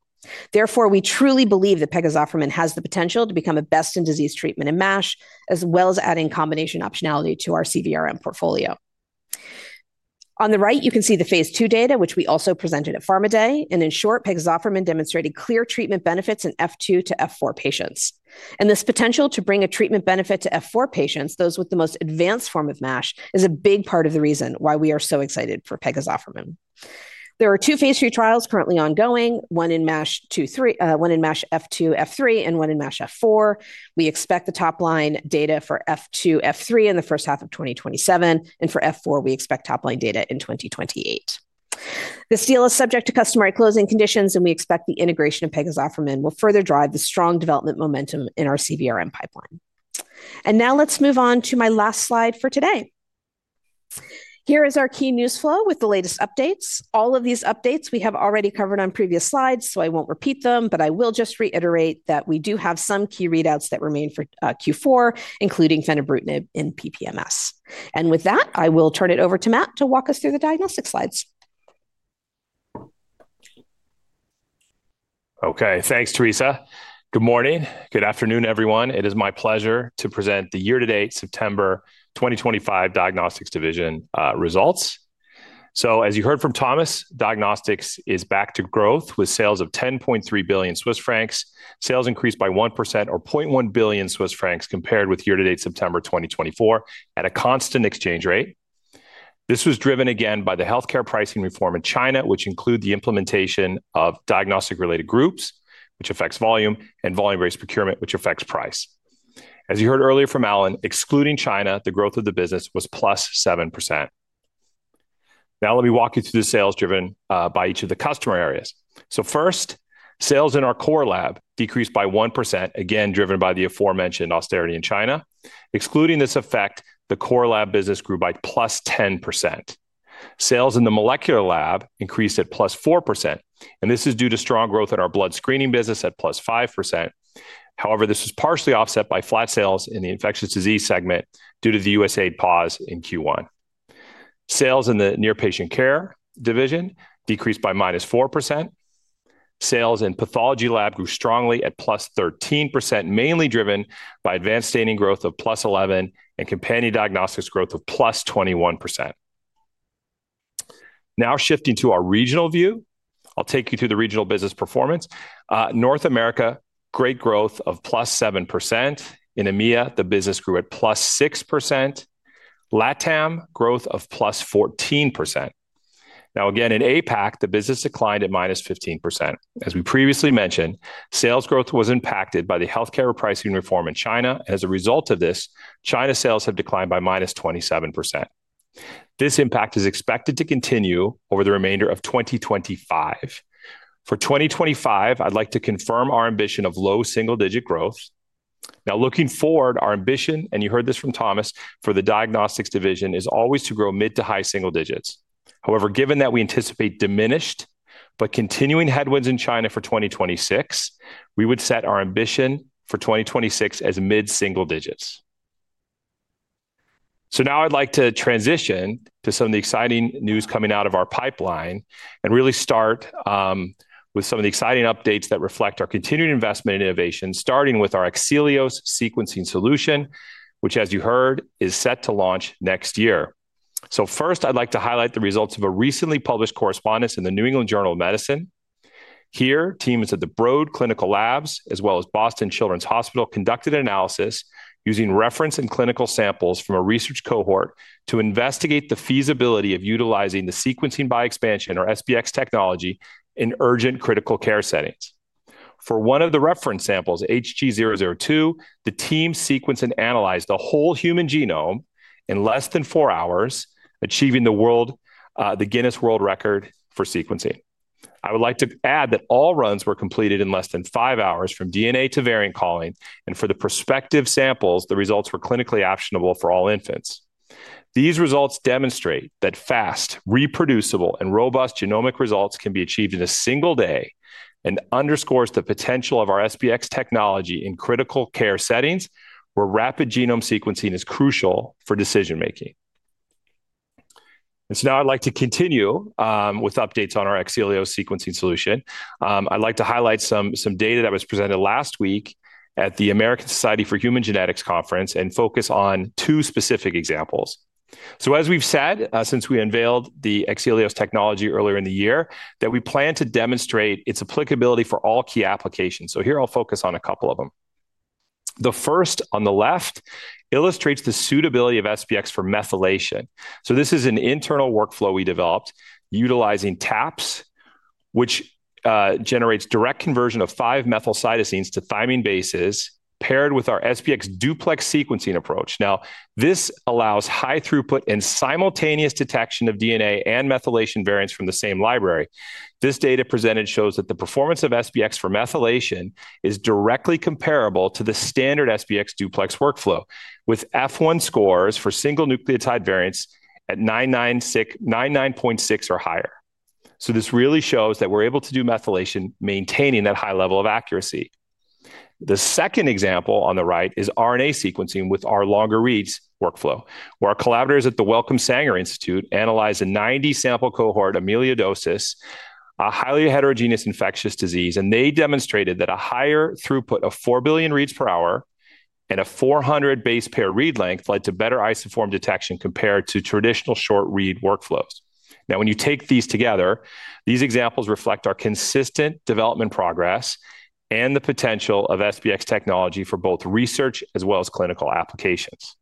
Therefore, we truly believe that pegozafermin has the potential to become a best-in-disease treatment in MASH, as well as adding combination optionality to our CVRM portfolio. On the right, you can see the phase II data, which we also presented at Pharma Day, and in short, pegozafermin demonstrated clear treatment benefits in F2 to F4 patients. This potential to bring a treatment benefit to F4 patients, those with the most advanced form of MASH, is a big part of the reason why we are so excited for pegozafermin. There are two phase III trials currently ongoing, one in MASH F2-F3 and one in MASH F4. We expect the top-line data for F2-F3 in the first half of 2027, and for F4, we expect top-line data in 2028. This deal is subject to customary closing conditions, and we expect the integration of pegozafermin will further drive the strong development momentum in our CVRM pipeline. Now let's move on to my last slide for today. Here is our key news flow with the latest updates. All of these updates we have already covered on previous slides, so I won't repeat them, but I will just reiterate that we do have some key readouts that remain for Q4, including fenebrutinib in PPMS. With that, I will turn it over to Matt to walk us through the diagnostic slides. Okay, thanks, Teresa. Good morning. Good afternoon, everyone. It is my pleasure to present the year-to-date September 2025 Diagnostics Division results. As you heard from Thomas, Diagnostics is back to growth with sales of 10.3 billion Swiss francs. Sales increased by 1% or 0.1 billion Swiss francs compared with year-to-date September 2024 at a constant exchange rate. This was driven again by the healthcare pricing reform in China, which includes the implementation of diagnostic-related groups, which affects volume, and volume-based procurement, which affects price. As you heard earlier from Alan, excluding China, the growth of the business was +7%. Now let me walk you through the sales driven by each of the customer areas. First, sales in our core lab decreased by 1%, again driven by the aforementioned austerity in China. Excluding this effect, the core lab business grew by +10%. Sales in the molecular lab increased at +4%, and this is due to strong growth in our blood screening business at +5%. However, this was partially offset by flat sales in the infectious disease segment due to the USAID pause in Q1. Sales in the near patient care division decreased by -4%. Sales in pathology lab grew strongly at +13%, mainly driven by advanced staining growth of +11% and companion diagnostics growth of +21%. Now shifting to our regional view, I'll take you through the regional business performance. North America, great growth of +7%. In EMEA, the business grew at +6%. LATAM, growth of +14%. In APAC, the business declined at -15%. As we previously mentioned, sales growth was impacted by the healthcare pricing reform in China, and as a result of this, China sales have declined by -27%. This impact is expected to continue over the remainder of 2025. For 2025, I'd like to confirm our ambition of low single-digit growth. Looking forward, our ambition, and you heard this from Thomas, for the Diagnostics Division is always to grow mid to high single digits. However, given that we anticipate diminished but continuing headwinds in China for 2026, we would set our ambition for 2026 as mid-single digits. Now I'd like to transition to some of the exciting news coming out of our pipeline and really start with some of the exciting updates that reflect our continued investment in innovation, starting with our AXELIOS sequencing solution, which, as you heard, is set to launch next year. First, I'd like to highlight the results of a recently published correspondence in the New England Journal of Medicine. Here, teams at the Broad Clinical Labs, as well as Boston Children's Hospital, conducted analysis using reference and clinical samples from a research cohort to investigate the feasibility of utilizing the sequencing by expansion, or SBX technology, in urgent critical care settings. For one of the reference samples, Hg002, the team sequenced and analyzed the whole human genome in less than four hours, achieving the Guinness World Record for sequencing. I would like to add that all runs were completed in less than five hours from DNA to variant calling, and for the prospective samples, the results were clinically optionable for all infants. These results demonstrate that fast, reproducible, and robust genomic results can be achieved in a single day and underscore the potential of our SBX technology in critical care settings, where rapid genome sequencing is crucial for decision making. Now I'd like to continue with updates on our AXELIOS sequencing solution. I'd like to highlight some data that was presented last week at the American Society for Human Genetics Conference and focus on two specific examples. As we've said, since we unveiled the AXELIOS technology earlier in the year, we plan to demonstrate its applicability for all key applications. Here I'll focus on a couple of them. The first on the left illustrates the suitability of SBX for methylation. This is an internal workflow we developed utilizing TAPS, which generates direct conversion of five methylcytosines to thymine bases paired with our SBX duplex sequencing approach. This allows high throughput and simultaneous detection of DNA and methylation variants from the same library. This data presented shows that the performance of SBX for methylation is directly comparable to the standard SBX duplex workflow, with F1 scores for single nucleotide variants at 99.6% or higher. This really shows that we're able to do methylation, maintaining that high level of accuracy. The second example on the right is RNA sequencing with our longer reads workflow, where our collaborators at the Wellcome Sanger Institute analyzed a 90-sample cohort, amyloidosis, a highly heterogeneous infectious disease, and they demonstrated that a higher throughput of 4 billion reads per hour and a 400 base pair read length led to better isoform detection compared to traditional short read workflows. When you take these together, these examples reflect our consistent development progress and the potential of SBX technology for both research as well as clinical applications.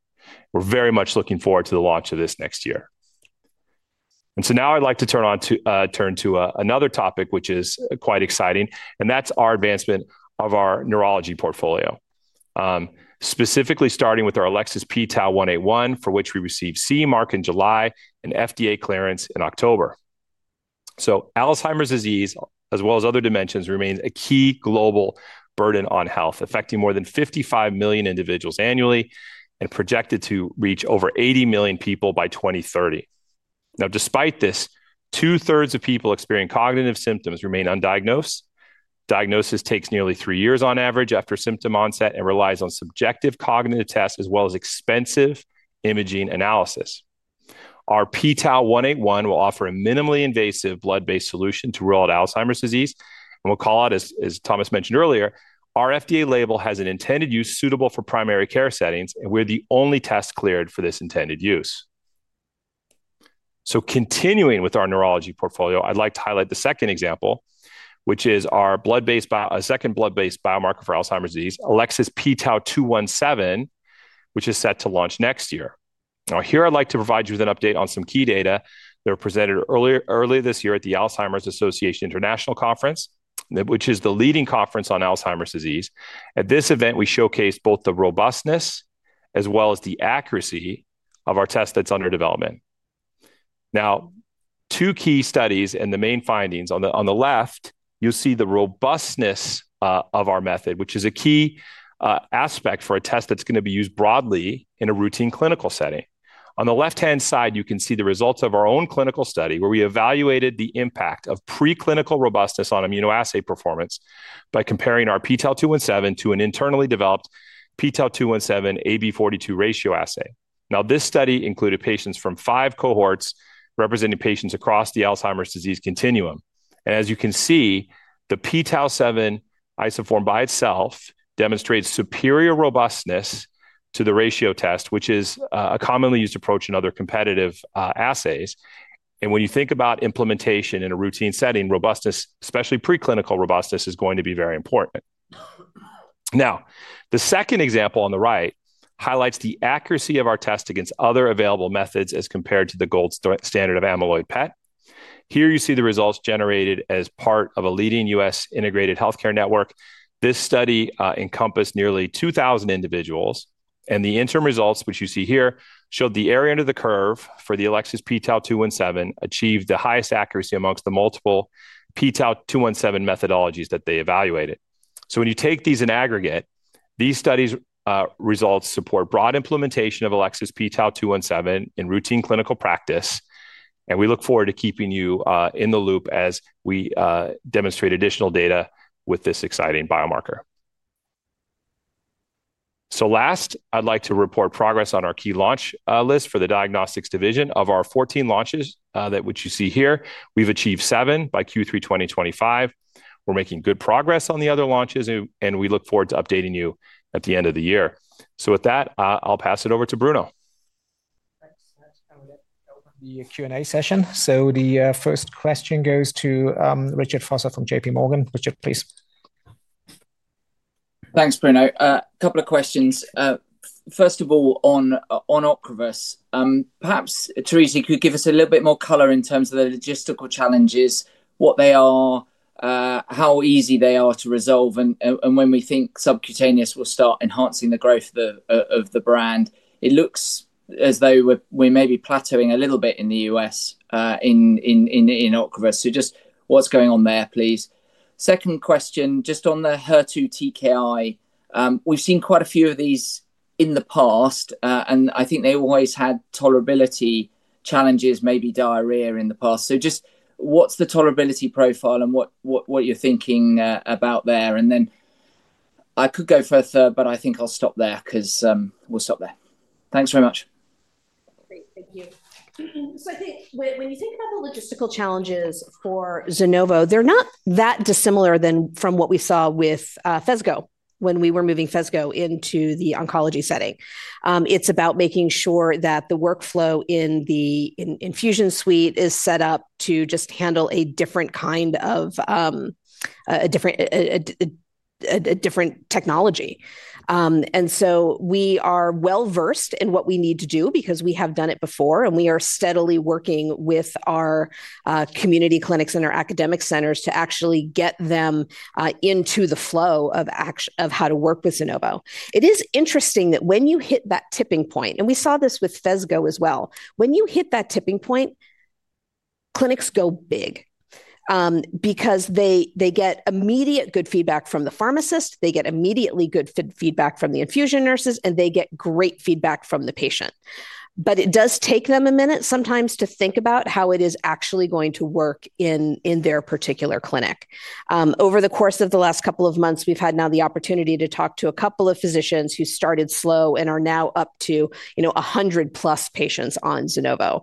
We're very much looking forward to the launch of this next year. Now I'd like to turn to another topic, which is quite exciting, and that's our advancement of our neurology portfolio, specifically starting with our Elecsys pTau 181, for which we received CE Mark in July and FDA clearance in October. Alzheimer's disease, as well as other dementias, remains a key global burden on health, affecting more than 55 million individuals annually and projected to reach over 80 million people by 2030. Despite this, two-thirds of people experiencing cognitive symptoms remain undiagnosed. Diagnosis takes nearly three years on average after symptom onset and relies on subjective cognitive tests, as well as expensive imaging analysis. Our pTau 181 will offer a minimally invasive blood-based solution to rule out Alzheimer's disease, and I'll call out, as Thomas mentioned earlier, our FDA label has an intended use suitable for primary care settings, and we're the only test cleared for this intended use. Continuing with our neurology portfolio, I'd like to highlight the second example, which is our second blood-based biomarker for Alzheimer's disease, Elecsys pTau 217, which is set to launch next year. Here I'd like to provide you with an update on some key data that were presented earlier this year at the Alzheimer's Association International Conference, which is the leading conference on Alzheimer's disease. At this event, we showcased both the robustness as well as the accuracy of our test that's under development. Two key studies and the main findings. On the left, you'll see the robustness of our method, which is a key aspect for a test that's going to be used broadly in a routine clinical setting. On the left-hand side, you can see the results of our own clinical study, where we evaluated the impact of preclinical robustness on immunoassay performance by comparing our pTau 217 to an internally developed pTau 217 AB42 ratio assay. This study included patients from five cohorts representing patients across the Alzheimer's disease continuum. As you can see, the pTau 217 isoform by itself demonstrates superior robustness to the ratio test, which is a commonly used approach in other competitive assays. When you think about implementation in a routine setting, robustness, especially preclinical robustness, is going to be very important. The second example on the right highlights the accuracy of our test against other available methods as compared to the gold standard of amyloid PET. Here you see the results generated as part of a leading U.S. integrated healthcare network. This study encompassed nearly 2,000 individuals, and the interim results, which you see here, showed the area under the curve for the Elecsys pTau 217 achieved the highest accuracy amongst the multiple pTau 217 methodologies that they evaluated. When you take these in aggregate, these studies' results support broad implementation of Elecsys pTau 217 in routine clinical practice, and we look forward to keeping you in the loop as we demonstrate additional data with this exciting biomarker. Last, I'd like to report progress on our key launch list for the Diagnostics division. Of our 14 launches that you see here, we've achieved seven by Q3 2025. We're making good progress on the other launches, and we look forward to updating you at the end of the year. With that, I'll pass it over to Bruno. Thanks. Let's go ahead and open the Q&A session. The first question goes to Richard Foster from JPMorgan. Richard, please. Thanks, Bruno. A couple of questions. First of all, on Ocrevus, perhaps Teresa, could you give us a little bit more color in terms of the logistical challenges, what they are, how easy they are to resolve, and when we think subcutaneous will start enhancing the growth of the brand? It looks as though we're maybe plateauing a little bit in the U.S. in Ocrevus. Just what's going on there, please? Second question, just on the HER2 TKI, we've seen quite a few of these in the past, and I think they always had tolerability challenges, maybe diarrhea in the past. Just what's the tolerability profile and what you're thinking about there? I could go further, but I think I'll stop there because we'll stop there. Thanks very much. Great, thank you. I think when you think about the logistical challenges for ZUNOVO, they're not that dissimilar from what we saw with Phesgo when we were moving Phesgo into the oncology setting. It's about making sure that the workflow in the infusion suite is set up to just handle a different kind of a different technology. We are well-versed in what we need to do because we have done it before, and we are steadily working with our community clinics and our academic centers to actually get them into the flow of how to work with ZUNOVO. It is interesting that when you hit that tipping point, and we saw this with Phesgo as well, when you hit that tipping point, clinics go big because they get immediate good feedback from the pharmacist, they get immediately good feedback from the infusion nurses, and they get great feedback from the patient. It does take them a minute sometimes to think about how it is actually going to work in their particular clinic. Over the course of the last couple of months, we've had now the opportunity to talk to a couple of physicians who started slow and are now up to 100+ patients on ZUNOVO.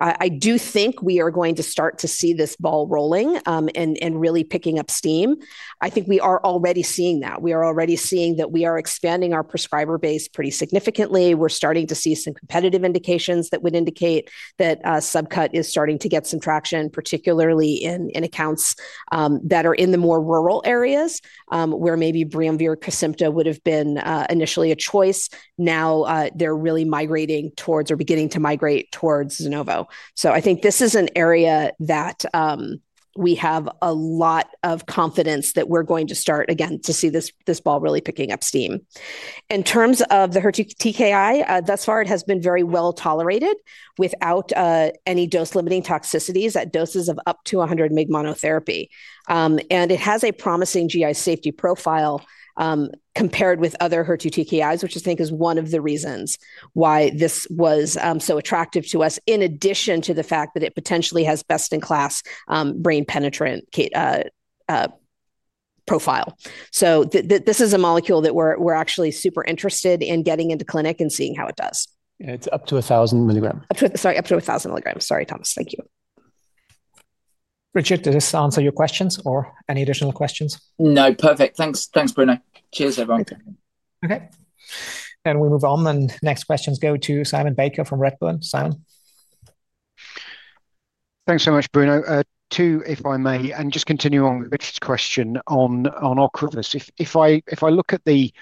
I do think we are going to start to see this ball rolling and really picking up steam. I think we are already seeing that. We are already seeing that we are expanding our prescriber base pretty significantly. We're starting to see some competitive indications that would indicate that subcut is starting to get some traction, particularly in accounts that are in the more rural areas, where maybe [Brimvir] or [Kacimta] would have been initially a choice. Now they're really migrating towards or beginning to migrate towards ZUNOVO. I think this is an area that we have a lot of confidence that we're going to start again to see this ball really picking up steam. In terms of the HER2 TKI, thus far it has been very well tolerated without any dose-limiting toxicities at doses of up to 100 mg monotherapy. It has a promising GI safety profile compared with other HER2 TKIs, which I think is one of the reasons why this was so attractive to us, in addition to the fact that it potentially has best-in-class brain penetrant profile. This is a molecule that we're actually super interested in getting into clinic and seeing how it does. It's up to 1,000 mg. Sorry, up to 1,000 mg. Sorry, Thomas, thank you. Richard, did this answer your questions or any additional questions? No, perfect. Thanks, Bruno. Cheers, everyone. Okay. We move on. The next questions go to Simon Baker from Redburn. Simon. Thanks so much, Bruno. Two, if I may, and just continue on with Richard's question on Ocrevus. If I look at the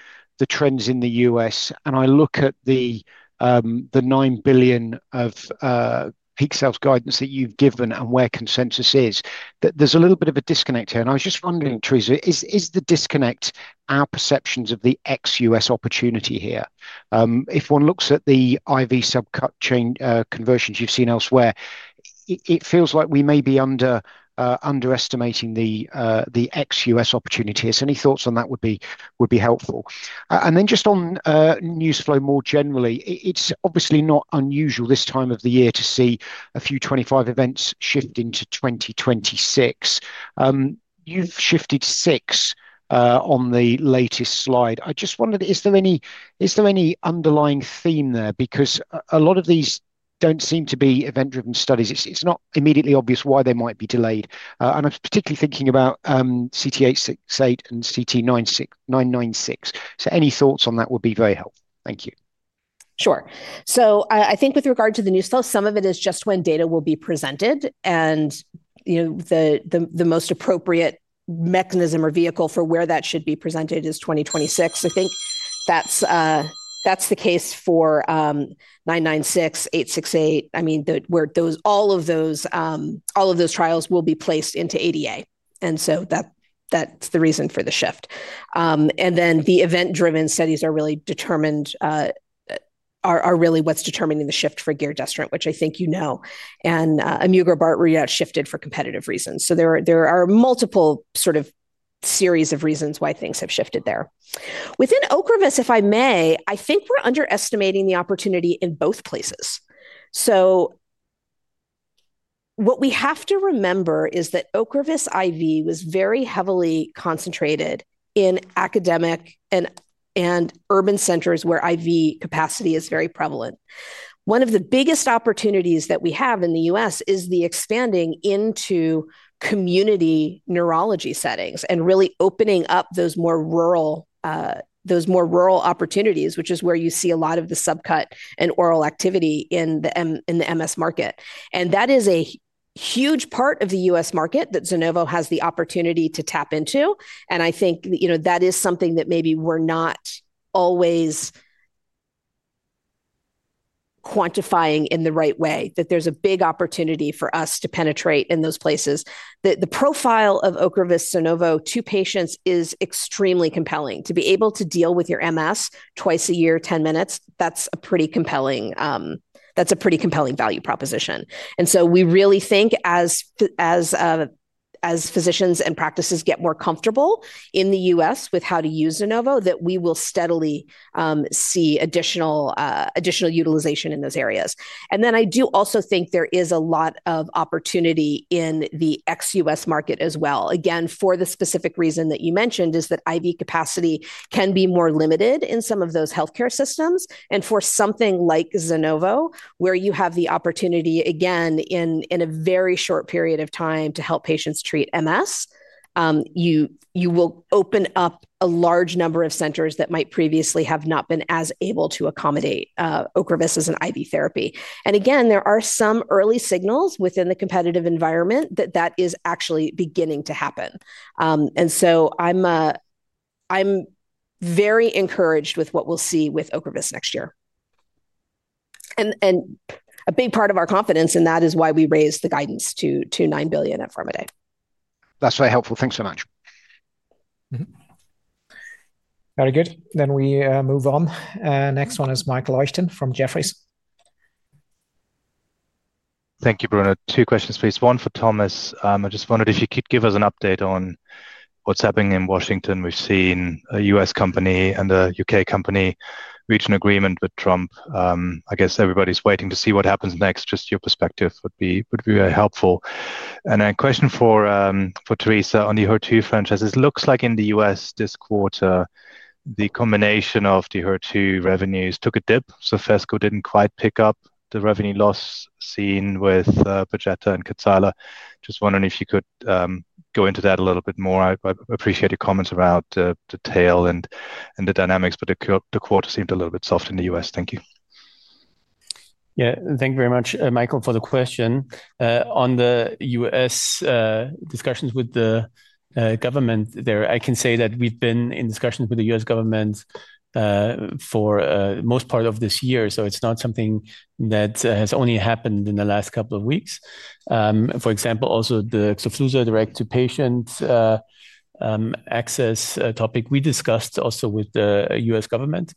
trends in the U.S. and I look at the 9 billion of peak sales guidance that you've given and where consensus is, there's a little bit of a disconnect here. I was just wondering, Teresa, is the disconnect our perceptions of the ex-U.S. opportunity here? If one looks at the IV subcutaneous chain conversions you've seen elsewhere, it feels like we may be underestimating the ex-U.S. opportunity here. Any thoughts on that would be helpful. Just on news flow more generally, it's obviously not unusual this time of the year to see a few 2025 events shifting to 2026. You've shifted six on the latest slide. I just wondered, is there any underlying theme there? A lot of these don't seem to be event-driven studies. It's not immediately obvious why they might be delayed. I'm particularly thinking about CT-868 and CT-996. Any thoughts on that would be very helpful. Thank you. Sure. I think with regard to the news flow, some of it is just when data will be presented. The most appropriate mechanism or vehicle for where that should be presented is 2026. I think that's the case for CT-996, CT-868. All of those trials will be placed into ADA, and that's the reason for the shift. The event-driven studies are really determining the shift for giredestrant, which I think you know. Vamikibart readout shifted for competitive reasons. There are multiple series of reasons why things have shifted there. Within Ocrevus, if I may, I think we're underestimating the opportunity in both places. What we have to remember is that Ocrevus IV was very heavily concentrated in academic and urban centers where IV capacity is very prevalent. One of the biggest opportunities that we have in the U.S. is expanding into community neurology settings and really opening up those more rural opportunities, which is where you see a lot of the subcut and oral activity in the MS market. That is a huge part of the U.S. market that ZUNOVO has the opportunity to tap into. I think that is something that maybe we're not always quantifying in the right way, that there's a big opportunity for us to penetrate in those places. The profile of OCREVUS ZUNOVO to patients is extremely compelling. To be able to deal with your MS twice a year, 10 minutes, that's a pretty compelling value proposition. We really think as physicians and practices get more comfortable in the U.S. with how to use ZUNOVO, we will steadily see additional utilization in those areas. I do also think there is a lot of opportunity in the ex-U.S. market as well. Again, for the specific reason that you mentioned, IV capacity can be more limited in some of those healthcare systems. For something like ZUNOVO, where you have the opportunity again in a very short period of time to help patients treat MS, you will open up a large number of centers that might previously have not been as able to accommodate Ocrevus as an IV therapy. There are some early signals within the competitive environment that that is actually beginning to happen. I am very encouraged with what we'll see with Ocrevus next year. A big part of our confidence in that is why we raised the guidance to 9 billion at Pharma Day. That's very helpful. Thanks so much. Very good. Then we move on. Next one is Michael Leuchten from Jefferies. Thank you, Bruno. Two questions, please. One for Thomas. I just wondered if you could give us an update on what's happening in Washington. We've seen a U.S. company and a U.K. company reach an agreement with Trump. I guess everybody's waiting to see what happens next. Just your perspective would be very helpful. A question for Teresa on the HER2 franchise. It looks like in the U.S. this quarter, the combination of the HER2 revenues took a dip. So Phesgo didn't quite pick up the revenue loss seen with Perjeta and Kadcyla. Just wondering if you could go into that a little bit more. I appreciate your comments around the tail and the dynamics, but the quarter seemed a little bit soft in the U.S. Thank you. Thank you very much, Michael, for the question. On the U.S. discussions with the government there, I can say that we've been in discussions with the U.S. government for the most part of this year. It's not something that has only happened in the last couple of weeks. For example, also the Xofluza direct to patient access topic we discussed also with the U.S. government.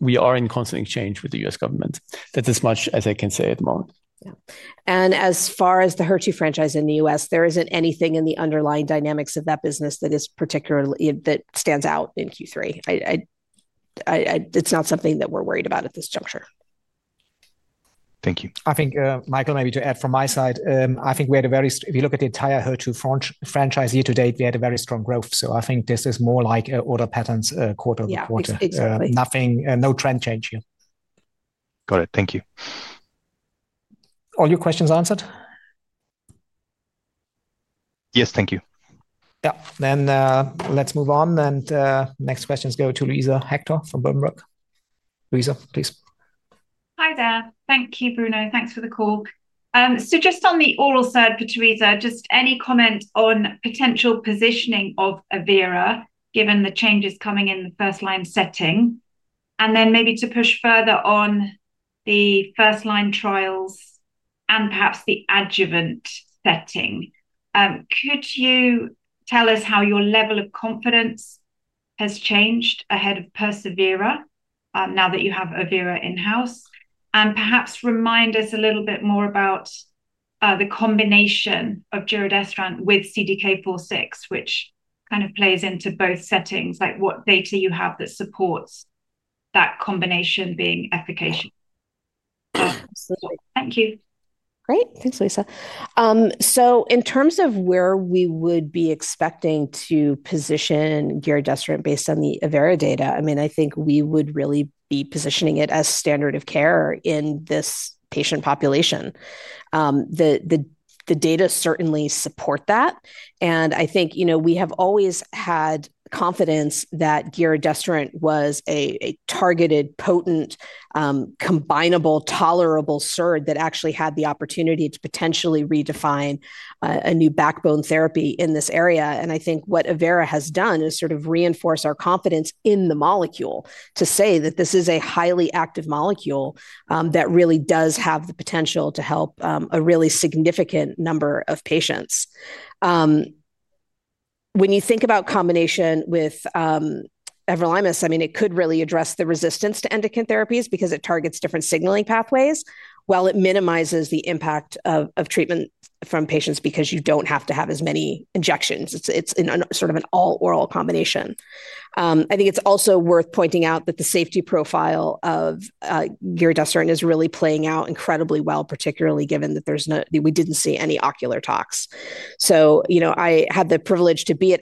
We are in constant exchange with the U.S. government. That's as much as I can say at the moment. As far as the HER2 franchise in the U.S., there isn't anything in the underlying dynamics of that business that is particularly that stands out in Q3. It's not something that we're worried about at this juncture. Thank you. I think, Michael, maybe to add from my side, I think we had a very, if you look at the entire HER2 franchise year to date, we had a very strong growth. I think this is more like order patterns quarter to quarter. Nothing, no trend change here. Got it. Thank you. All your questions answered? Yes, thank you. Yeah. Let's move on. Next questions go to Louisa Hector from Berenberg. Louisa, please. Hi there. Thank you, Bruno. Thanks for the call. Just on the oral side for Teresa, any comment on potential positioning of evERA given the changes coming in the first-line setting? Maybe to push further on the first-line trials and perhaps the adjuvant setting, could you tell us how your level of confidence has changed ahead of Persevera, now that you have evERA in-house? Perhaps remind us a little bit more about the combination of giredestrant with CDK4/6, which kind of plays into both settings, like what data you have that supports that combination being efficacious. Absolutely. Thank you. Great. Thanks, Louisa. In terms of where we would be expecting to position giredestrant based on the evERA data, I mean, I think we would really be positioning it as standard of care in this patient population. The data certainly support that. I think we have always had confidence that giredestrant was a targeted, potent, combinable, tolerable SIRD that actually had the opportunity to potentially redefine a new backbone therapy in this area. What evERA has done is sort of reinforce our confidence in the molecule to say that this is a highly active molecule that really does have the potential to help a really significant number of patients. When you think about combination with everolimus, it could really address the resistance to endocrine therapies because it targets different signaling pathways, while it minimizes the impact of treatment for patients because you do not have to have as many injections. It is sort of an all-oral combination. I think it is also worth pointing out that the safety profile of giredestrant is really playing out incredibly well, particularly given that we did not see any ocular tox. I had the privilege to be at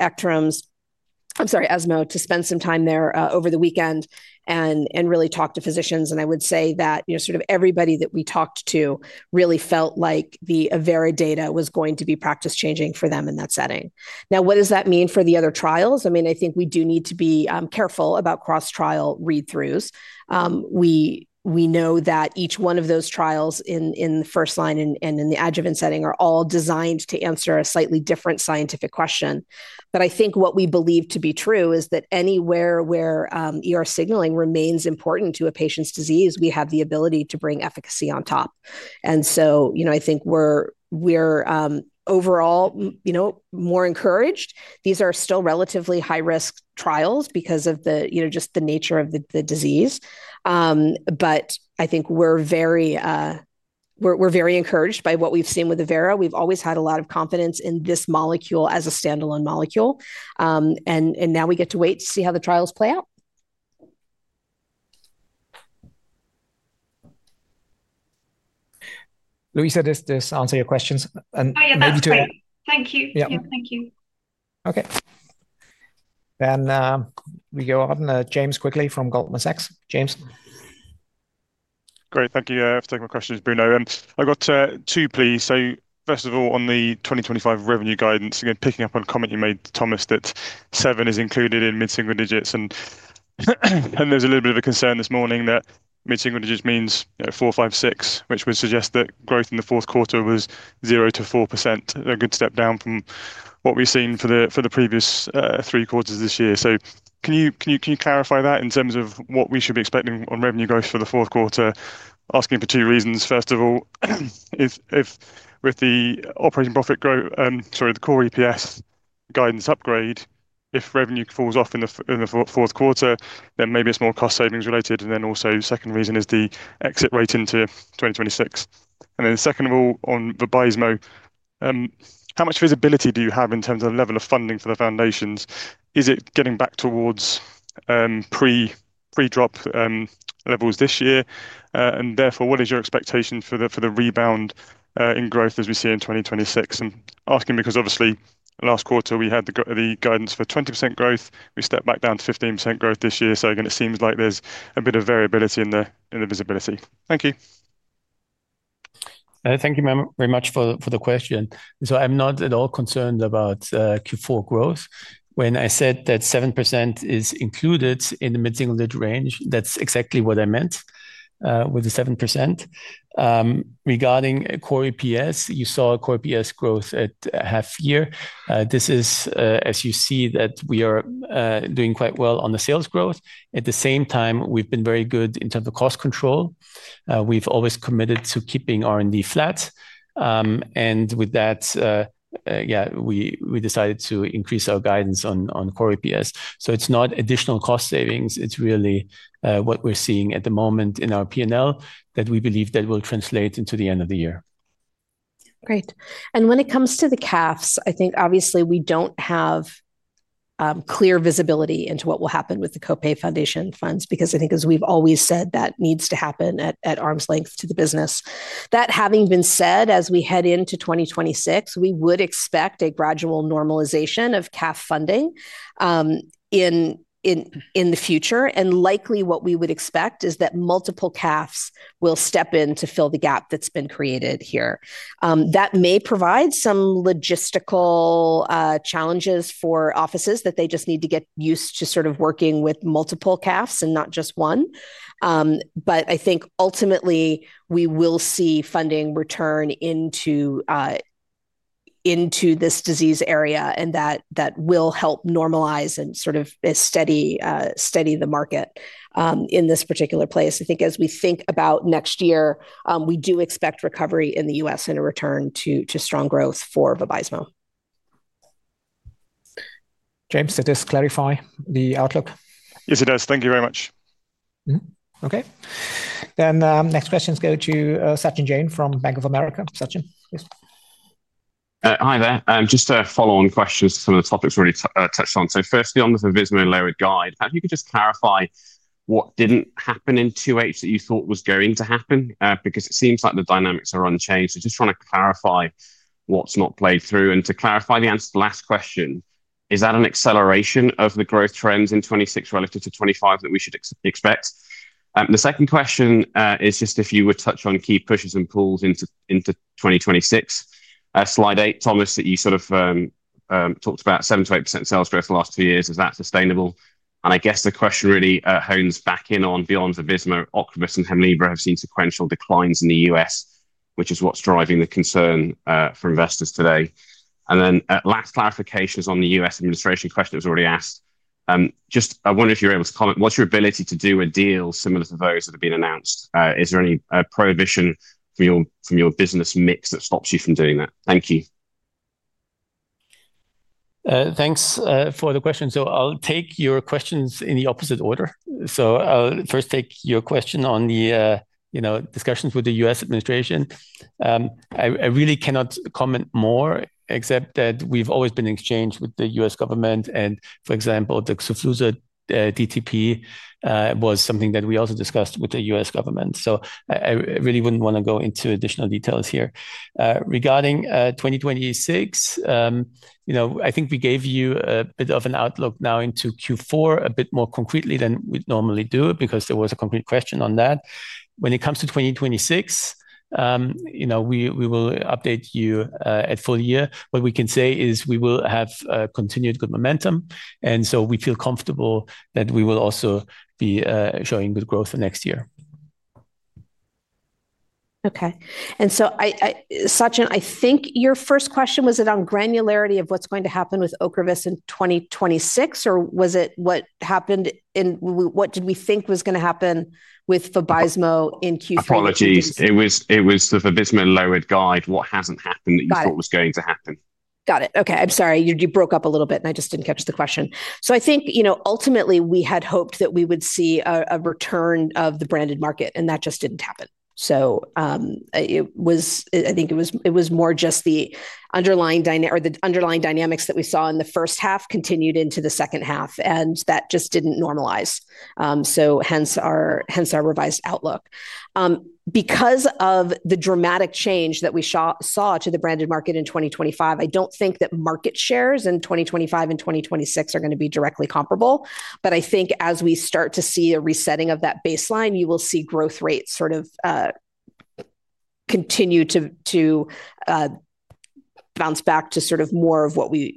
ESMO to spend some time there over the weekend and really talk to physicians. I would say that sort of everybody that we talked to really felt like the evERA data was going to be practice changing for them in that setting. Now, what does that mean for the other trials? I think we do need to be careful about cross-trial read-throughs. We know that each one of those trials in the first line and in the adjuvant setting are all designed to answer a slightly different scientific question. I think what we believe to be true is that anywhere where signaling remains important to a patient's disease, we have the ability to bring efficacy on top. I think we are overall more encouraged. These are still relatively high-risk trials because of just the nature of the disease. I think we are very encouraged by what we have seen with evERA. We have always had a lot of confidence in this molecule as a standalone molecule. Now we get to wait to see how the trials play out. Louisa, does this answer your questions? Oh, yeah, that's great. Thank you. Yeah, thank you. Okay. We go on. James Quigley from Goldman Sachs. James. Great. Thank you for taking my questions, Bruno. I've got two, please. First of all, on the 2025 revenue guidance, again, picking up on a comment you made, Thomas, that seven is included in mid-single digits. There's a little bit of a concern this morning that mid-single digits means 4%, 5%, 6%, which would suggest that growth in the fourth quarter was 0% to 4%. A good step down from what we've seen for the previous three quarters this year. Can you clarify that in terms of what we should be expecting on revenue growth for the fourth quarter? Asking for two reasons. First of all, if with the operating profit growth, sorry, the core EPS guidance upgrade, if revenue falls off in the fourth quarter, then maybe a small cost savings related. Also, the second reason is the exit rate into 2026. Second of all, on the Vabysmo, how much visibility do you have in terms of the level of funding for the foundations? Is it getting back towards pre-drop levels this year? Therefore, what is your expectation for the rebound in growth as we see in 2026? I'm asking because obviously last quarter we had the guidance for 20% growth. We stepped back down to 15% growth this year. Again, it seems like there's a bit of variability in the visibility. Thank you. Thank you very much for the question. I'm not at all concerned about Q4 growth. When I said that 7% is included in the mid-single-digit range, that's exactly what I meant with the 7%. Regarding core EPS, you saw core EPS growth at half year. This is, as you see, that we are doing quite well on the sales growth. At the same time, we've been very good in terms of cost control. We've always committed to keeping R&D flat. With that, we decided to increase our guidance on core EPS. It's not additional cost savings. It's really what we're seeing at the moment in our P&L that we believe will translate into the end of the year. Great. When it comes to the CAFs, obviously we don't have clear visibility into what will happen with the co-pay foundation funds, because, as we've always said, that needs to happen at arm's length to the business. That having been said, as we head into 2026, we would expect a gradual normalization of CAF funding in the future. Likely, what we would expect is that multiple CAFs will step in to fill the gap that's been created here. That may provide some logistical challenges for offices that they just need to get used to working with multiple CAFs and not just one. Ultimately, we will see funding return into this disease area and that will help normalize and steady the market in this particular place. As we think about next year, we do expect recovery in the U.S. and a return to strong growth for Vabysmo. James, did this clarify the outlook? Yes, it does. Thank you very much. Okay. Next questions go to Sachin Jaine from Bank of America. Sachin, please. Hi there. Just a follow-on question to some of the topics we already touched on. Firstly, on the Vabysmo and [Elecsys] guide, perhaps you could just clarify what didn't happen in Q4 that you thought was going to happen? It seems like the dynamics are unchanged. I'm just trying to clarify what's not played through. To clarify the answer to the last question, is that an acceleration of the growth trends in 2026 relative to 2025 that we should expect? The second question is if you would touch on key pushes and pulls into 2026. Slide eight, Thomas, you talked about 7%-8% sales growth the last two years. Is that sustainable? I guess the question really hones back in on beyond the biosimilar erosion. Ocrevus and Hemlibra have seen sequential declines in the U.S., which is what's driving the concern for investors today. The last clarification is on the U.S. administration question that was already asked. I wonder if you're able to comment, what's your ability to do a deal similar to those that have been announced? Is there any prohibition from your business mix that stops you from doing that? Thank you. Thanks for the question. I'll take your questions in the opposite order. I'll first take your question on the discussions with the U.S. administration. I really cannot comment more except that we've always been in exchange with the U.S. government and, for example, the Xofluza DTP was something that we also discussed with the U.S. government. I really wouldn't want to go into additional details here. Regarding 2026, I think we gave you a bit of an outlook now into Q4 a bit more concretely than we normally do because there was a concrete question on that. When it comes to 2026, we will update you at full year. What we can say is we will have continued good momentum, and we feel comfortable that we will also be showing good growth next year. Okay. Sachin, I think your first question was it on granularity of what's going to happen with Ocrevus in 2026 or was it what did we think was going to happen with Vabysmo in Q3? Apologies. It was the Vabysmo and [Elecsys] guide. What hasn't happened that you thought was going to happen? Got it. Okay. I'm sorry. You broke up a little bit and I just didn't catch the question. I think, you know, ultimately we had hoped that we would see a return of the branded market and that just didn't happen. It was, I think it was more just the underlying dynamics that we saw in the first half continued into the second half and that just didn't normalize. Hence our revised outlook. Because of the dramatic change that we saw to the branded market in 2025, I don't think that market shares in 2025 and 2026 are going to be directly comparable. I think as we start to see a resetting of that baseline, you will see growth rates sort of continue to bounce back to sort of more of what we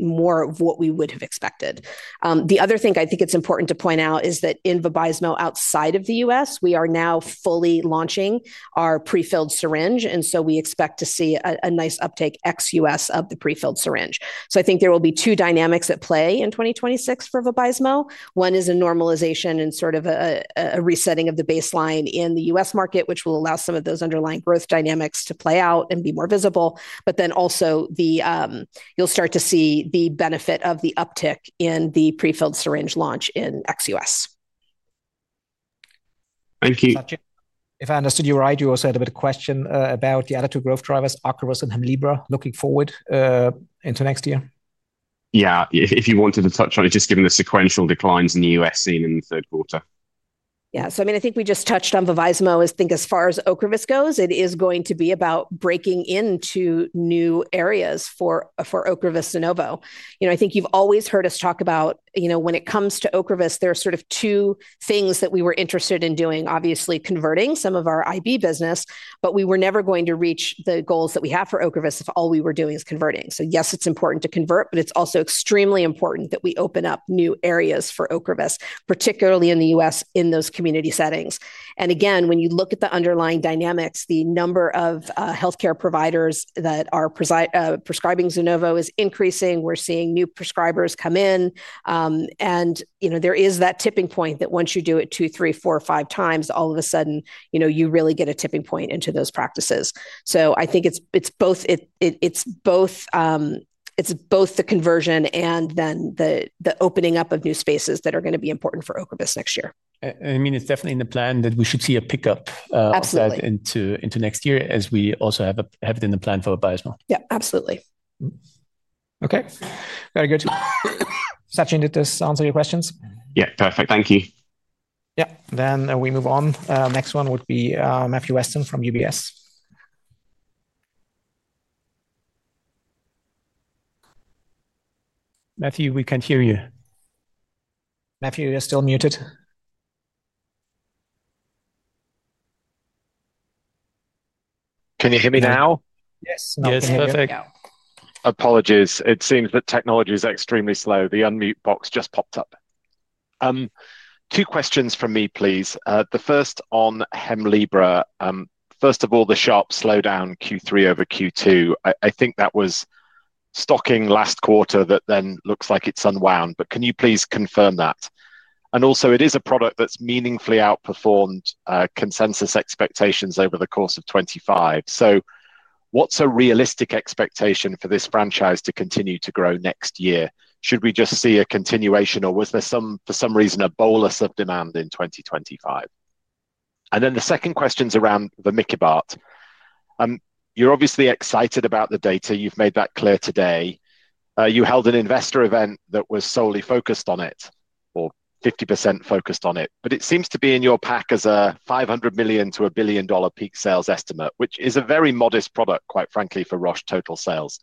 would have expected. The other thing I think it's important to point out is that in Vabysmo outside of the U.S., we are now fully launching our prefilled syringe. We expect to see a nice uptake ex-U.S. of the prefilled syringe. I think there will be two dynamics at play in 2026 for Vabysmo. One is a normalization and sort of a resetting of the baseline in the U.S. market, which will allow some of those underlying growth dynamics to play out and be more visible. Also, you'll start to see the benefit of the uptick in the prefilled syringe launch in ex-U.S. Thank you. Sachin, if I understood you right, you also had a bit of a question about the other two growth drivers, Ocrevus and Hemlibra, looking forward into next year? Yeah, if you wanted to touch on it, just given the sequential declines in the U.S. scene in the third quarter. Yeah, so I mean, I think we just touched on Vabysmo. I think as far as Ocrevus goes, it is going to be about breaking into new areas for OCREVUS ZUNOVO. You know, I think you've always heard us talk about, you know, when it comes to Ocrevus, there are sort of two things that we were interested in doing, obviously converting some of our IV business, but we were never going to reach the goals that we have for Ocrevus if all we were doing is converting. Yes, it's important to convert, but it's also extremely important that we open up new areas for Ocrevus, particularly in the U.S. in those community settings. Again, when you look at the underlying dynamics, the number of healthcare providers that are prescribing ZUNOVO is increasing. We're seeing new prescribers come in. There is that tipping point that once you do it two, three, four, five times, all of a sudden, you really get a tipping point into those practices. I think it's both the conversion and then the opening up of new spaces that are going to be important for Ocrevus next year. I mean, it's definitely in the plan that we should see a pickup of that into next year as we also have it in the plan for Vabysmo. Yeah, absolutely. Okay. Very good. Sachin, did this answer your questions? Yeah, perfect. Thank you. Yeah, then we move on. Next one would be Matthew Weston from UBS. Matthew, we can't hear you. Matthew, you're still muted. Can you hear me now? Yes, now. Apologies. It seems that technology is extremely slow. The unmute box just popped up. Two questions from me, please. The first on Hemlibra. First of all, the sharp slowdown Q3 over Q2. I think that was stocking last quarter that then looks like it's unwound, but can you please confirm that? Also, it is a product that's meaningfully outperformed consensus expectations over the course of 2025. What's a realistic expectation for this franchise to continue to grow next year? Should we just see a continuation or was there, for some reason, a bolus of demand in 2025? The second question is around vamikibart. You're obviously excited about the data. You've made that clear today. You held an investor event that was solely focused on it or 50% focused on it, but it seems to be in your pack as a $500 million to $1 billion peak sales estimate, which is a very modest product, quite frankly, for Roche total sales.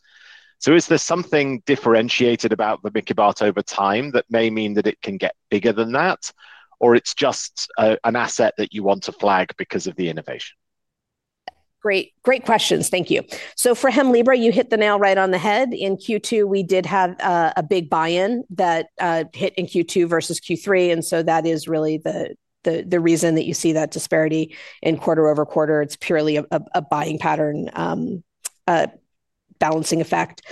Is there something differentiated about vamikibart over time that may mean that it can get bigger than that, or is it just an asset that you want to flag because of the innovation? Great, great questions. Thank you. For Hemlibra, you hit the nail right on the head. In Q2, we did have a big buy-in that hit in Q2 versus Q3, and that is really the reason that you see that disparity in quarter over quarter. It's purely a buying pattern balancing effect.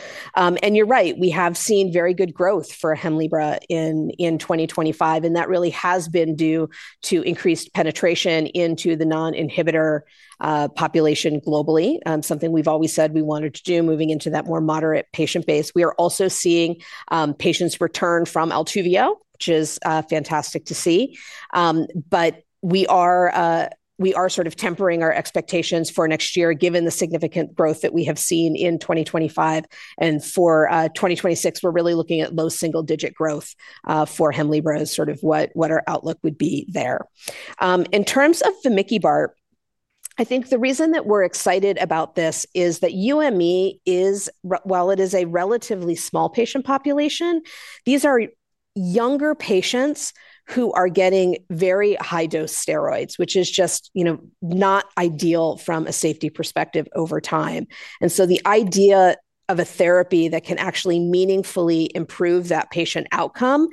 You're right, we have seen very good growth for Hemlibra in 2025, and that really has been due to increased penetration into the non-inhibitor population globally, something we've always said we wanted to do moving into that more moderate patient base. We are also seeing patients return from Altuvio, which is fantastic to see. We are sort of tempering our expectations for next year, given the significant growth that we have seen in 2025. For 2026, we're really looking at low single-digit growth for Hemlibra, sort of what our outlook would be there. In terms of the vamikibart, I think the reason that we're excited about this is that UME is, while it is a relatively small patient population, these are younger patients who are getting very high-dose steroids, which is just not ideal from a safety perspective over time. The idea of a therapy that can actually meaningfully improve that patient outcome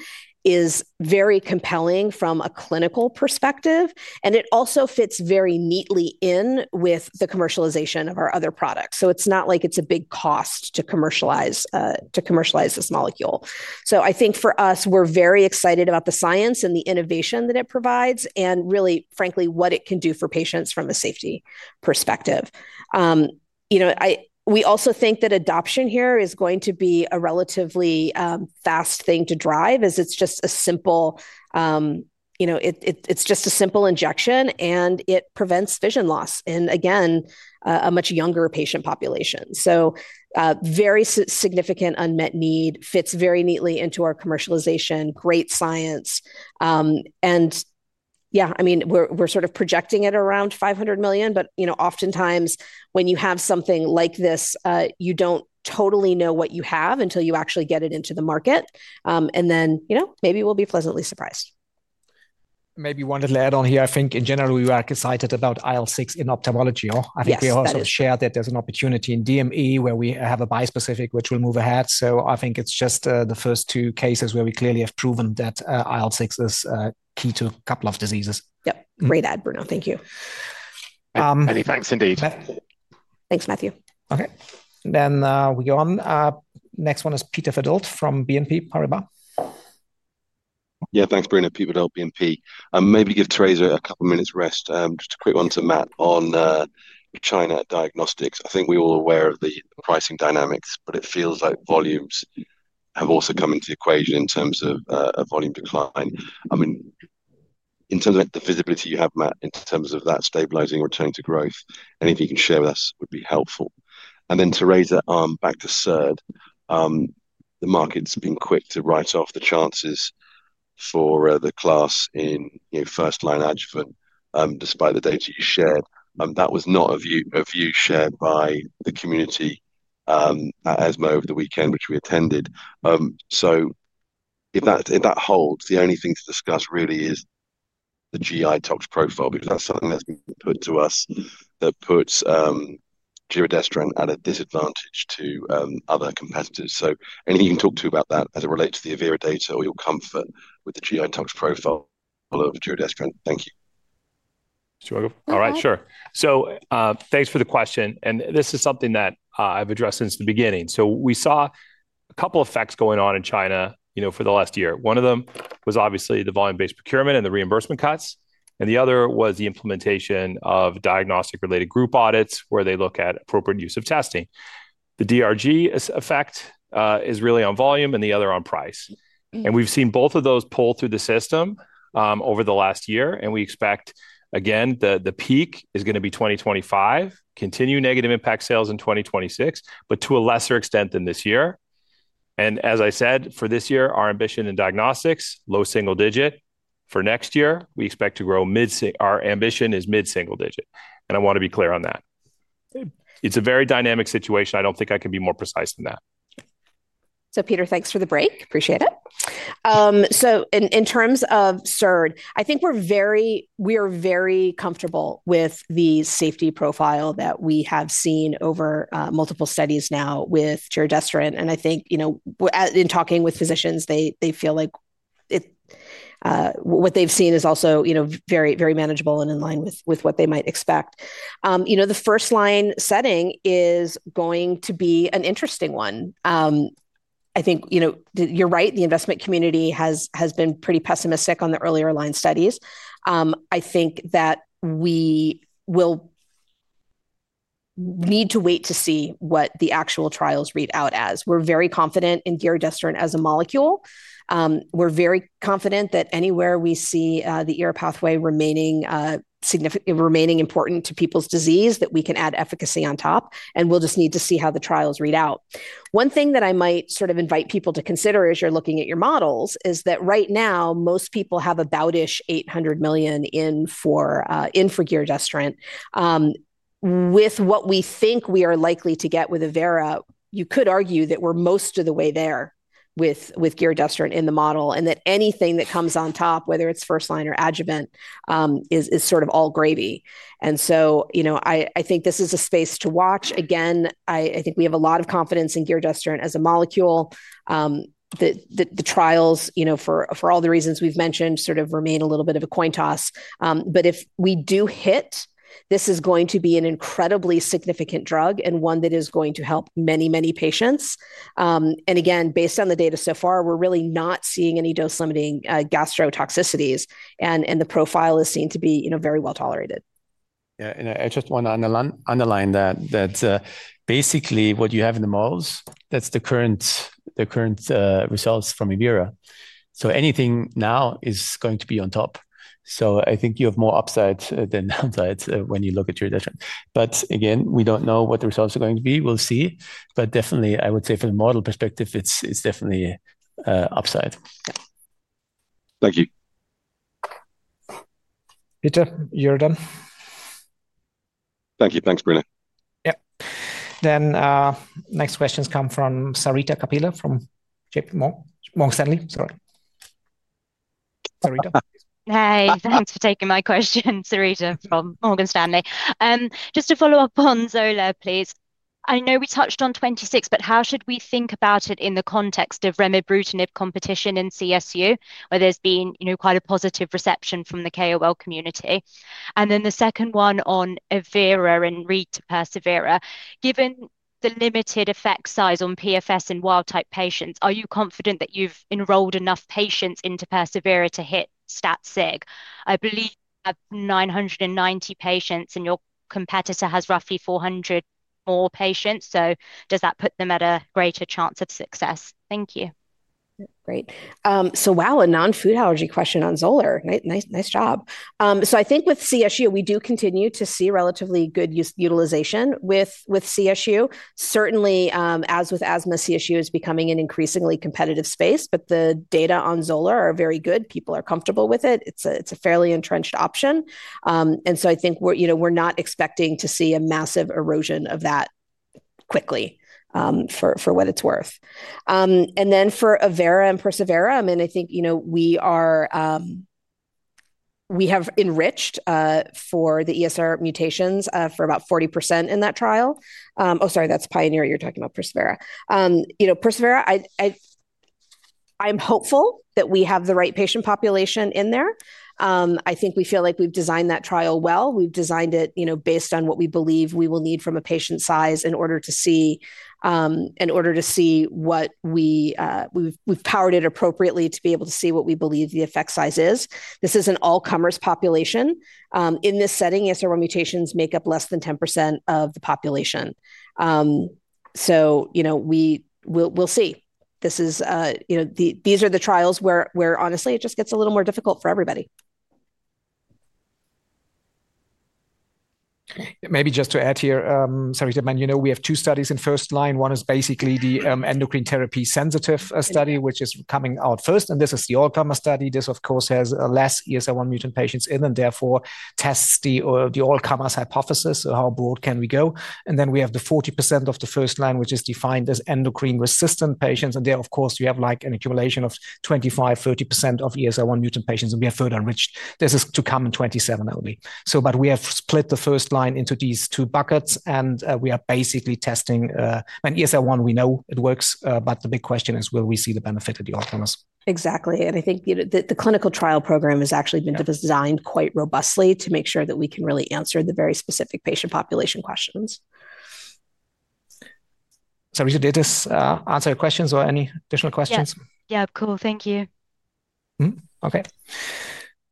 is very compelling from a clinical perspective. It also fits very neatly in with the commercialization of our other products. It's not like it's a big cost to commercialize this molecule. I think for us, we're very excited about the science and the innovation that it provides and really, frankly, what it can do for patients from a safety perspective. We also think that adoption here is going to be a relatively fast thing to drive as it's just a simple injection and it prevents vision loss in, again, a much younger patient population. Very significant unmet need fits very neatly into our commercialization, great science. We're sort of projecting it around $500 million, but oftentimes when you have something like this, you don't totally know what you have until you actually get it into the market, and then maybe we'll be pleasantly surprised. Maybe one little add-on here. I think in general, we are excited about IL-6 in ophthalmology. I think we also share that there's an opportunity in DME where we have a bispecific, which will move ahead. I think it's just the first two cases where we clearly have proven that IL-6 is key to a couple of diseases. Yep. Great add, Bruno. Thank you. Many thanks indeed. Thanks, Matthew. Okay. We go on. Next one is Peter Verdult from BNP Paribas? Yeah, thanks, Bruno. Pete Verdult, BNP. Maybe give Teresa a couple of minutes' rest. Just a quick one to Matt on China Diagnostics. I think we're all aware of the pricing dynamics, but it feels like volumes have also come into the equation in terms of a volume decline. I mean, in terms of the visibility you have, Matt, in terms of that stabilizing return to growth, anything you can share with us would be helpful. Teresa, back to SERD. The market's been quick to write off the chances for the class in first-line adjuvant, despite the data you shared. That was not a view shared by the community at ASMO over the weekend, which we attended. If that holds, the only thing to discuss really is the GI-Tox profile, because that's something that's been put to us that puts giredestrant at a disadvantage to other competitors. Anything you can talk to about that as it relates to the giredestrant data or your comfort with the GI-Tox profile of giredestrant. Thank you. Sure. Thank you for the question. This is something that I've addressed since the beginning. We saw a couple of effects going on in China for the last year. One of them was obviously the volume-based procurement and the reimbursement cuts. The other was the implementation of diagnostic-related group audits where they look at appropriate use of testing. The DRG effect is really on volume and the other on price. We've seen both of those pull through the system over the last year. We expect, again, the peak is going to be 2025, continue negative impact sales in 2026, but to a lesser extent than this year. As I said, for this year, our ambition in diagnostics is low single digit. For next year, we expect to grow mid-single. Our ambition is mid-single digit. I want to be clear on that. It's a very dynamic situation. I don't think I can be more precise than that. Peter, thanks for the break. Appreciate it. In terms of SERD, I think we are very comfortable with the safety profile that we have seen over multiple studies now with giredestrant. I think, you know, in talking with physicians, they feel like what they've seen is also very, very manageable and in line with what they might expect. The first-line setting is going to be an interesting one. I think you're right. The investment community has been pretty pessimistic on the earlier line studies. I think that we will need to wait to see what the actual trials read out as. We're very confident in giredestrant as a molecule. We're very confident that anywhere we see the pathway remaining significant, remaining important to people's disease, that we can add efficacy on top. We'll just need to see how the trials read out. One thing that I might sort of invite people to consider as you're looking at your models is that right now, most people have about $800 million in for giredestrant. With what we think we are likely to get with gireda, you could argue that we're most of the way there with giredestrant in the model and that anything that comes on top, whether it's first-line or adjuvant, is sort of all gravy. I think this is a space to watch. Again, I think we have a lot of confidence in giredestrant as a molecule. The trials, for all the reasons we've mentioned, sort of remain a little bit of a coin toss. If we do hit, this is going to be an incredibly significant drug and one that is going to help many, many patients. Again, based on the data so far, we're really not seeing any dose-limiting gastrotoxicities. The profile is seen to be very well tolerated. Yeah, and I just want to underline that basically what you have in the models, that's the current results from Giredestrant. Anything now is going to be on top. I think you have more upsides than downsides when you look at Giredestrant. Again, we don't know what the results are going to be. We'll see. Definitely, I would say from a model perspective, it's definitely an upside. Thank you. Peter, you're done. Thank you. Thanks, Bruno. Yeah. The next questions come from Sarita Kapila from Morgan Stanley. Sorry. Hi, thanks for taking my question, Sarita from Morgan Stanley. Just to follow up on Xolair, please. I know we touched on 2026, but how should we think about it in the context of remibrutinib competition in CSU, where there's been quite a positive reception from the KOL community? The second one on evERA and READ to Persevera. Given the limited effect size on PFS in wild type patients, are you confident that you've enrolled enough patients into Persevera to hit statistical significance? I believe you have 990 patients and your competitor has roughly 400 more patients. Does that put them at a greater chance of success? Thank you. Great. Wow, a non-food allergy question on Xolair. Nice job. I think with CSU, we do continue to see relatively good utilization with CSU. Certainly, as with asthma, CSU is becoming an increasingly competitive space, but the data on Xolair are very good. People are comfortable with it. It's a fairly entrenched option. I think we're not expecting to see a massive erosion of that quickly, for what it's worth. For evERA and Persevera, I mean, I think, you know, we have enriched for the ESR mutations for about 40% in that trial. Oh, sorry, that's Pioneer. You're talking about Persevera. Persevera, I'm hopeful that we have the right patient population in there. I think we feel like we've designed that trial well. We've designed it, you know, based on what we believe we will need from a patient size in order to see what we, we've powered it appropriately to be able to see what we believe the effect size is. This is an all-comers population. In this setting, ESR1 mutations make up less than 10% of the population. We'll see. These are the trials where honestly, it just gets a little more difficult for everybody. Maybe just to add here, Sarita, you know, we have two studies in first line. One is basically the endocrine therapy sensitive study, which is coming out first. This is the all-comers study. This, of course, has less ESR1 mutant patients in and therefore tests the all-comers hypothesis. How broad can we go? We have the 40% of the first line, which is defined as endocrine-resistant patients. There, of course, you have like an accumulation of 25%-30% of ESR1 mutant patients, and we have further enriched. This is to come in 2027 only. We have split the first line into these two buckets, and we are basically testing, I mean, ESR1, we know it works, but the big question is, will we see the benefit of the all-comers? Exactly. I think the clinical trial program has actually been designed quite robustly to make sure that we can really answer the very specific patient population questions. Sarita, did this answer your questions or any additional questions? Yeah, cool. Thank you. Okay.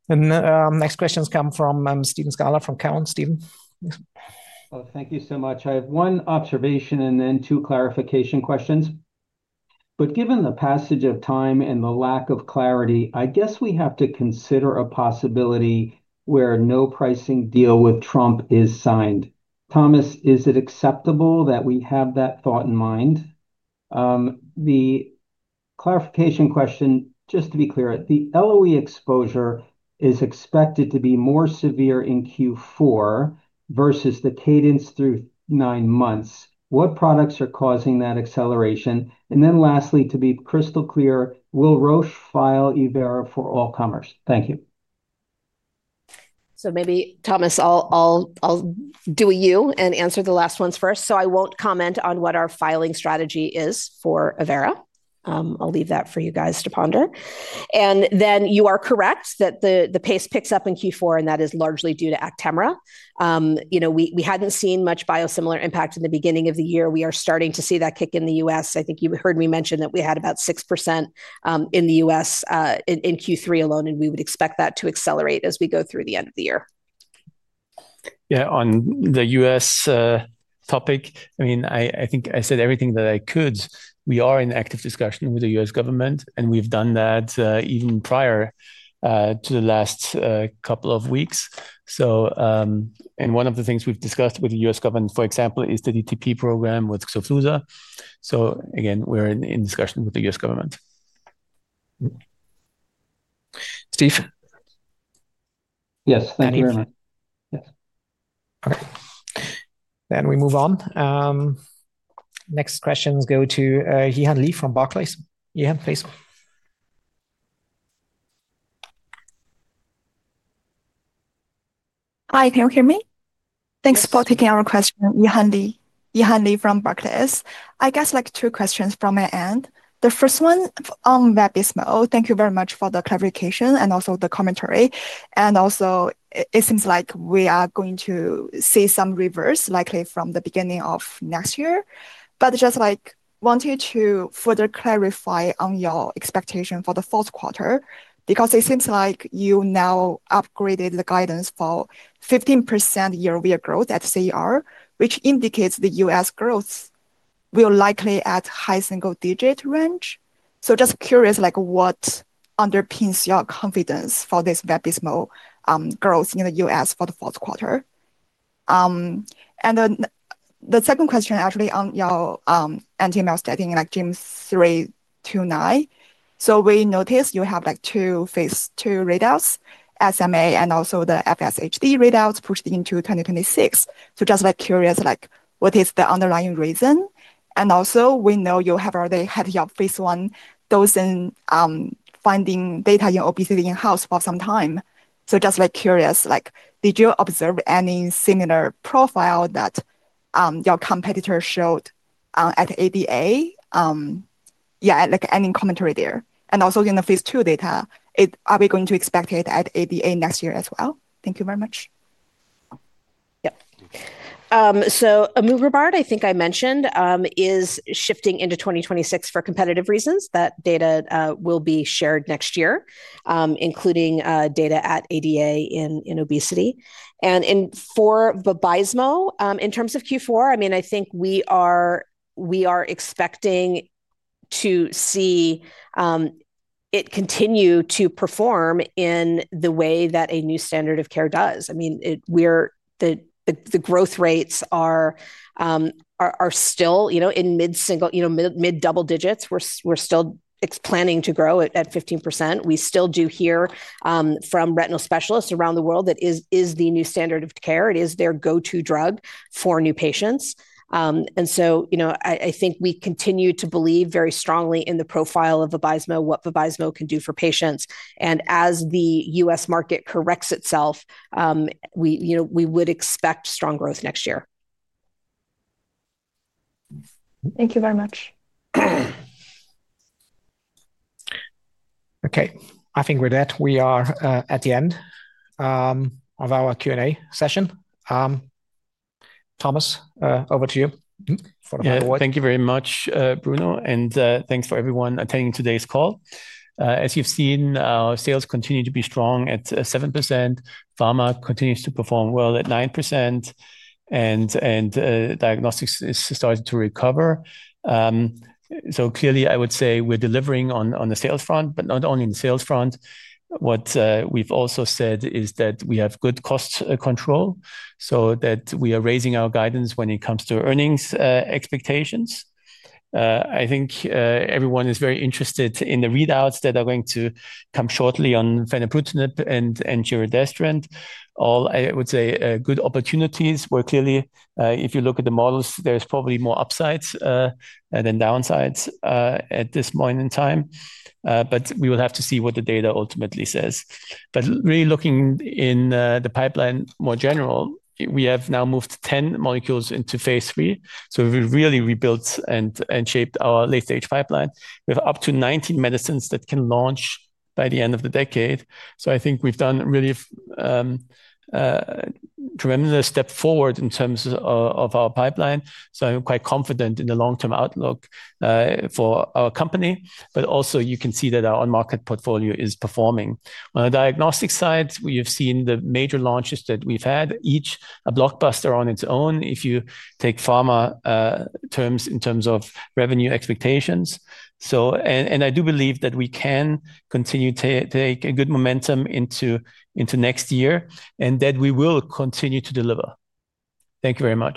Next questions come from Steve Scala from Cowen. Steve. Thank you so much. I have one observation and then two clarification questions. Given the passage of time and the lack of clarity, I guess we have to consider a possibility where no pricing deal with Trump is signed. Thomas, is it acceptable that we have that thought in mind? The clarification question, just to be clear, the LOE exposure is expected to be more severe in Q4 versus the cadence through nine months. What products are causing that acceleration? Lastly, to be crystal clear, will Roche file evERA for all-comers? Thank you. Thomas, I'll do you and answer the last ones first. I won't comment on what our filing strategy is for evERA. I'll leave that for you guys to ponder. You are correct that the pace picks up in Q4, and that is largely due to Actemra. We hadn't seen much biosimilar impact in the beginning of the year. We are starting to see that kick in the U.S. I think you heard me mention that we had about 6% in the U.S. in Q3 alone, and we would expect that to accelerate as we go through the end of the year. Yeah, on the U.S. topic, I mean, I think I said everything that I could. We are in active discussion with the U.S. government, and we've done that even prior to the last couple of weeks. One of the things we've discussed with the U.S. government, for example, is the DTP program with Xofluza. Again, we're in discussion with the U.S. government. Steve? Yes, thank you very much. We move on. Next questions go to [Jehan Lee] from Barclays. Jehan, please. Hi, can you hear me? Thanks for taking our question, [Iehan Lee] from Barclays. I guess like two questions from my end. The first one on Vabysmo. Thank you very much for the clarification and also the commentary. It seems like we are going to see some reverse likely from the beginning of next year. Just wanting to further clarify on your expectation for the fourth quarter, because it seems like you now upgraded the guidance for 15% year-over-year growth at CER, which indicates the U.S. growth will likely add high single-digit range. Just curious, what underpins your confidence for this Vabysmo growth in the U.S. for the fourth quarter? The second question actually on your anti-mal stating, like GYM 329. We noticed you have like two phase II readouts, SMA and also the FSHD readouts pushed into 2026. Just curious, what is the underlying reason? We know you have already had your phase I dosing finding data in obesity in-house for some time. Just curious, did you observe any similar profile that your competitor showed at ADA? Any commentary there? In the phase II data, are we going to expect it at ADA next year as well? Thank you very much. Yeah. [Immuvarabard], I think I mentioned, is shifting into 2026 for competitive reasons. That data will be shared next year, including data at ADA in obesity. For Vabysmo, in terms of Q4, I think we are expecting to see it continue to perform in the way that a new standard of care does. The growth rates are still in mid-double digits. We're still planning to grow at 15%. We still do hear from retinal specialists around the world that it is the new standard of care. It is their go-to drug for new patients. I think we continue to believe very strongly in the profile of Vabysmo, what Vabysmo can do for patients. As the U.S. market corrects itself, we would expect strong growth next year. Thank you very much. Okay. I think with that, we are at the end of our Q&A session. Thomas, over to you for the final word. Thank you very much, Bruno. And thanks for everyone attending today's call. As you've seen, our sales continue to be strong at 7%. Pharma continues to perform well at 9%, and diagnostics has started to recover. Clearly, I would say we're delivering on the sales front, but not only in the sales front. What we've also said is that we have good cost control so that we are raising our guidance when it comes to earnings expectations. I think everyone is very interested in the readouts that are going to come shortly on venobrutinib and giredestrant. I would say good opportunities. We're clearly, if you look at the models, there's probably more upsides than downsides at this point in time. We will have to see what the data ultimately says. Really looking in the pipeline more general, we have now moved 10 molecules into phase III. We've really rebuilt and shaped our late-stage pipeline. We have up to 19 medicines that can launch by the end of the decade. I think we've done really a tremendous step forward in terms of our pipeline. I'm quite confident in the long-term outlook for our company. You can see that our on-market portfolio is performing. On the diagnostic side, we have seen the major launches that we've had, each a blockbuster on its own, if you take pharma terms in terms of revenue expectations. I do believe that we can continue to take a good momentum into next year and that we will continue to deliver. Thank you very much.